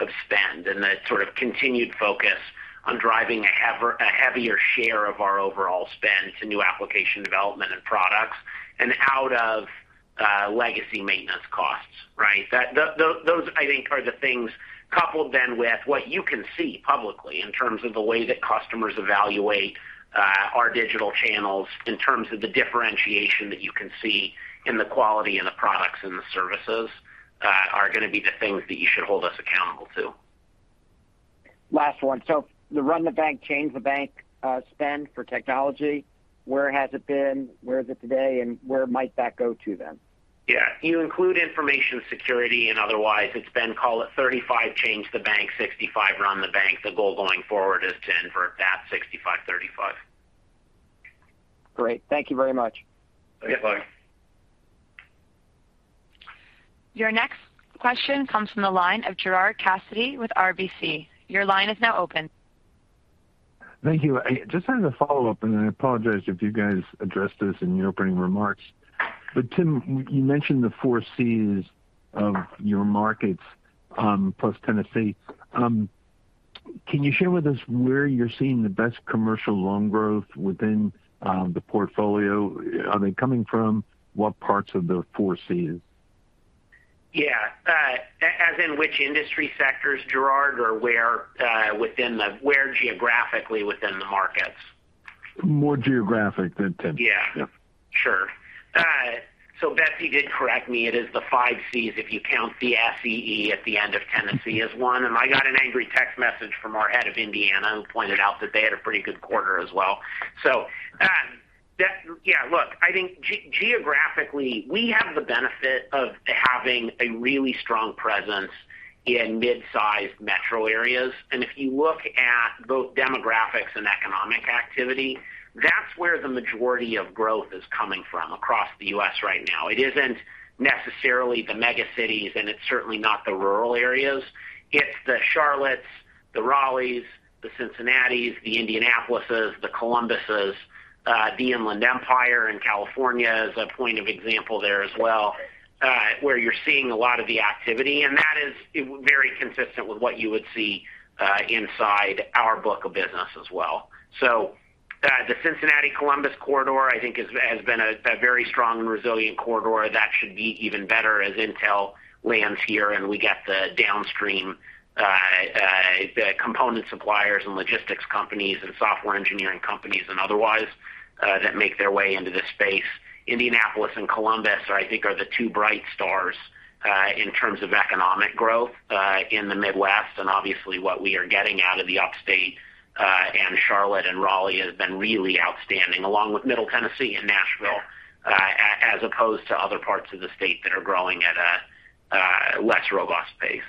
of spend and the sort of continued focus on driving a heavier share of our overall spend to new application development and products and out of legacy maintenance costs, right? Those, I think, are the things coupled then with what you can see publicly in terms of the way that customers evaluate our digital channels, in terms of the differentiation that you can see in the quality and the products and the services are going to be the things that you should hold us accountable to. Last one. The run the bank, change the bank, spend for technology, where has it been? Where is it today? Where might that go to then? Yeah. You include information security and otherwise it's been, call it 35% change the bank, 65% run the bank. The goal going forward is to invert that 65%-35%. Great. Thank you very much. Okay. Bye. Your next question comes from the line of Gerard Cassidy with RBC. Your line is now open. Thank you. I just wanted to follow up, and I apologize if you guys addressed this in your opening remarks. Tim, you mentioned the four Cs of your markets, plus Tennessee. Can you share with us where you're seeing the best commercial loan growth within the portfolio? Are they coming from what parts of the four Cs? Yeah. As in which industry sectors, Gerard, or where geographically within the markets? More geographic than. Yeah. Yeah. Sure. So Betsy did correct me. It is the five Cs if you count the SCE at the end of Tennessee as one. I got an angry text message from our head of Indiana who pointed out that they had a pretty good quarter as well. I think geographically, we have the benefit of having a really strong presence in mid-sized metro areas. If you look at both demographics and economic activity, that's where the majority of growth is coming from across the U.S. right now. It isn't necessarily the mega cities, and it's certainly not the rural areas. It's the Charlottes, the Raleighs, the Cincinnatis, the Indianapolises, the Columbuses. The Inland Empire in California is a point of example there as well, where you're seeing a lot of the activity. That is very consistent with what you would see inside our book of business as well. The Cincinnati-Columbus corridor, I think, has been a very strong and resilient corridor that should be even better as Intel lands here and we get the downstream component suppliers and logistics companies and software engineering companies and otherwise that make their way into the space. Indianapolis and Columbus, I think, are the two bright stars in terms of economic growth in the Midwest. Obviously, what we are getting out of the upstate and Charlotte and Raleigh has been really outstanding, along with Middle Tennessee and Nashville as opposed to other parts of the state that are growing at a less robust pace.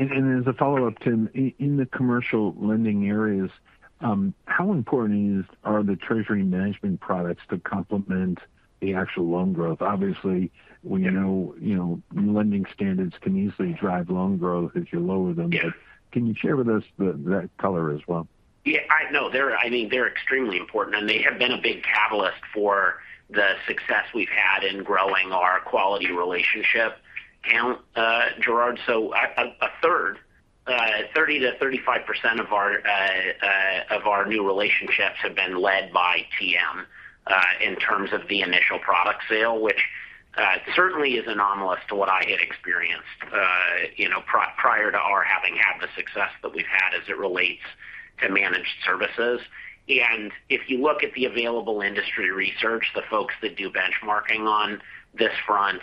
As a follow-up, Tim, in the commercial lending areas, how important are the treasury management products to complement the actual loan growth? Obviously, we know, you know, lending standards can easily drive loan growth if you lower them. Yes. Can you share with us that color as well? Yeah, I know. I think they're extremely important, and they have been a big catalyst for the success we've had in growing our quality relationship count, Gerard. A third 30%-35% of our new relationships have been led by TM in terms of the initial product sale, which certainly is anomalous to what I had experienced, you know, prior to our having had the success that we've had as it relates to managed services. If you look at the available industry research, the folks that do benchmarking on this front,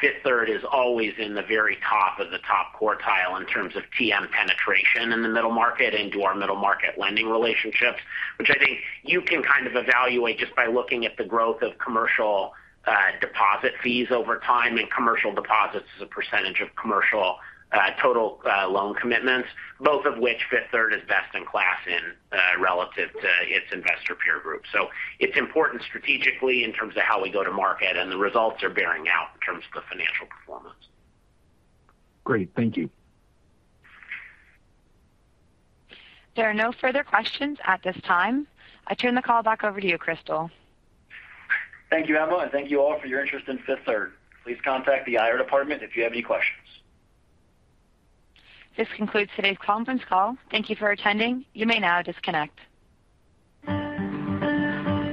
Fifth Third is always in the very top of the top quartile in terms of TM penetration in the middle market into our middle market lending relationships, which I think you can kind of evaluate just by looking at the growth of commercial deposit fees over time and commercial deposits as a percentage of commercial total loan commitments, both of which Fifth Third is best in class in, relative to its investor peer group. It's important strategically in terms of how we go to market, and the results are bearing out in terms of the financial performance. Great. Thank you. There are no further questions at this time. I turn the call back over to you Chris Doll. Thank you, Emma, and thank you all for your interest in Fifth Third. Please contact the IR department if you have any questions. This concludes today's conference call. Thank you for attending. You may now disconnect.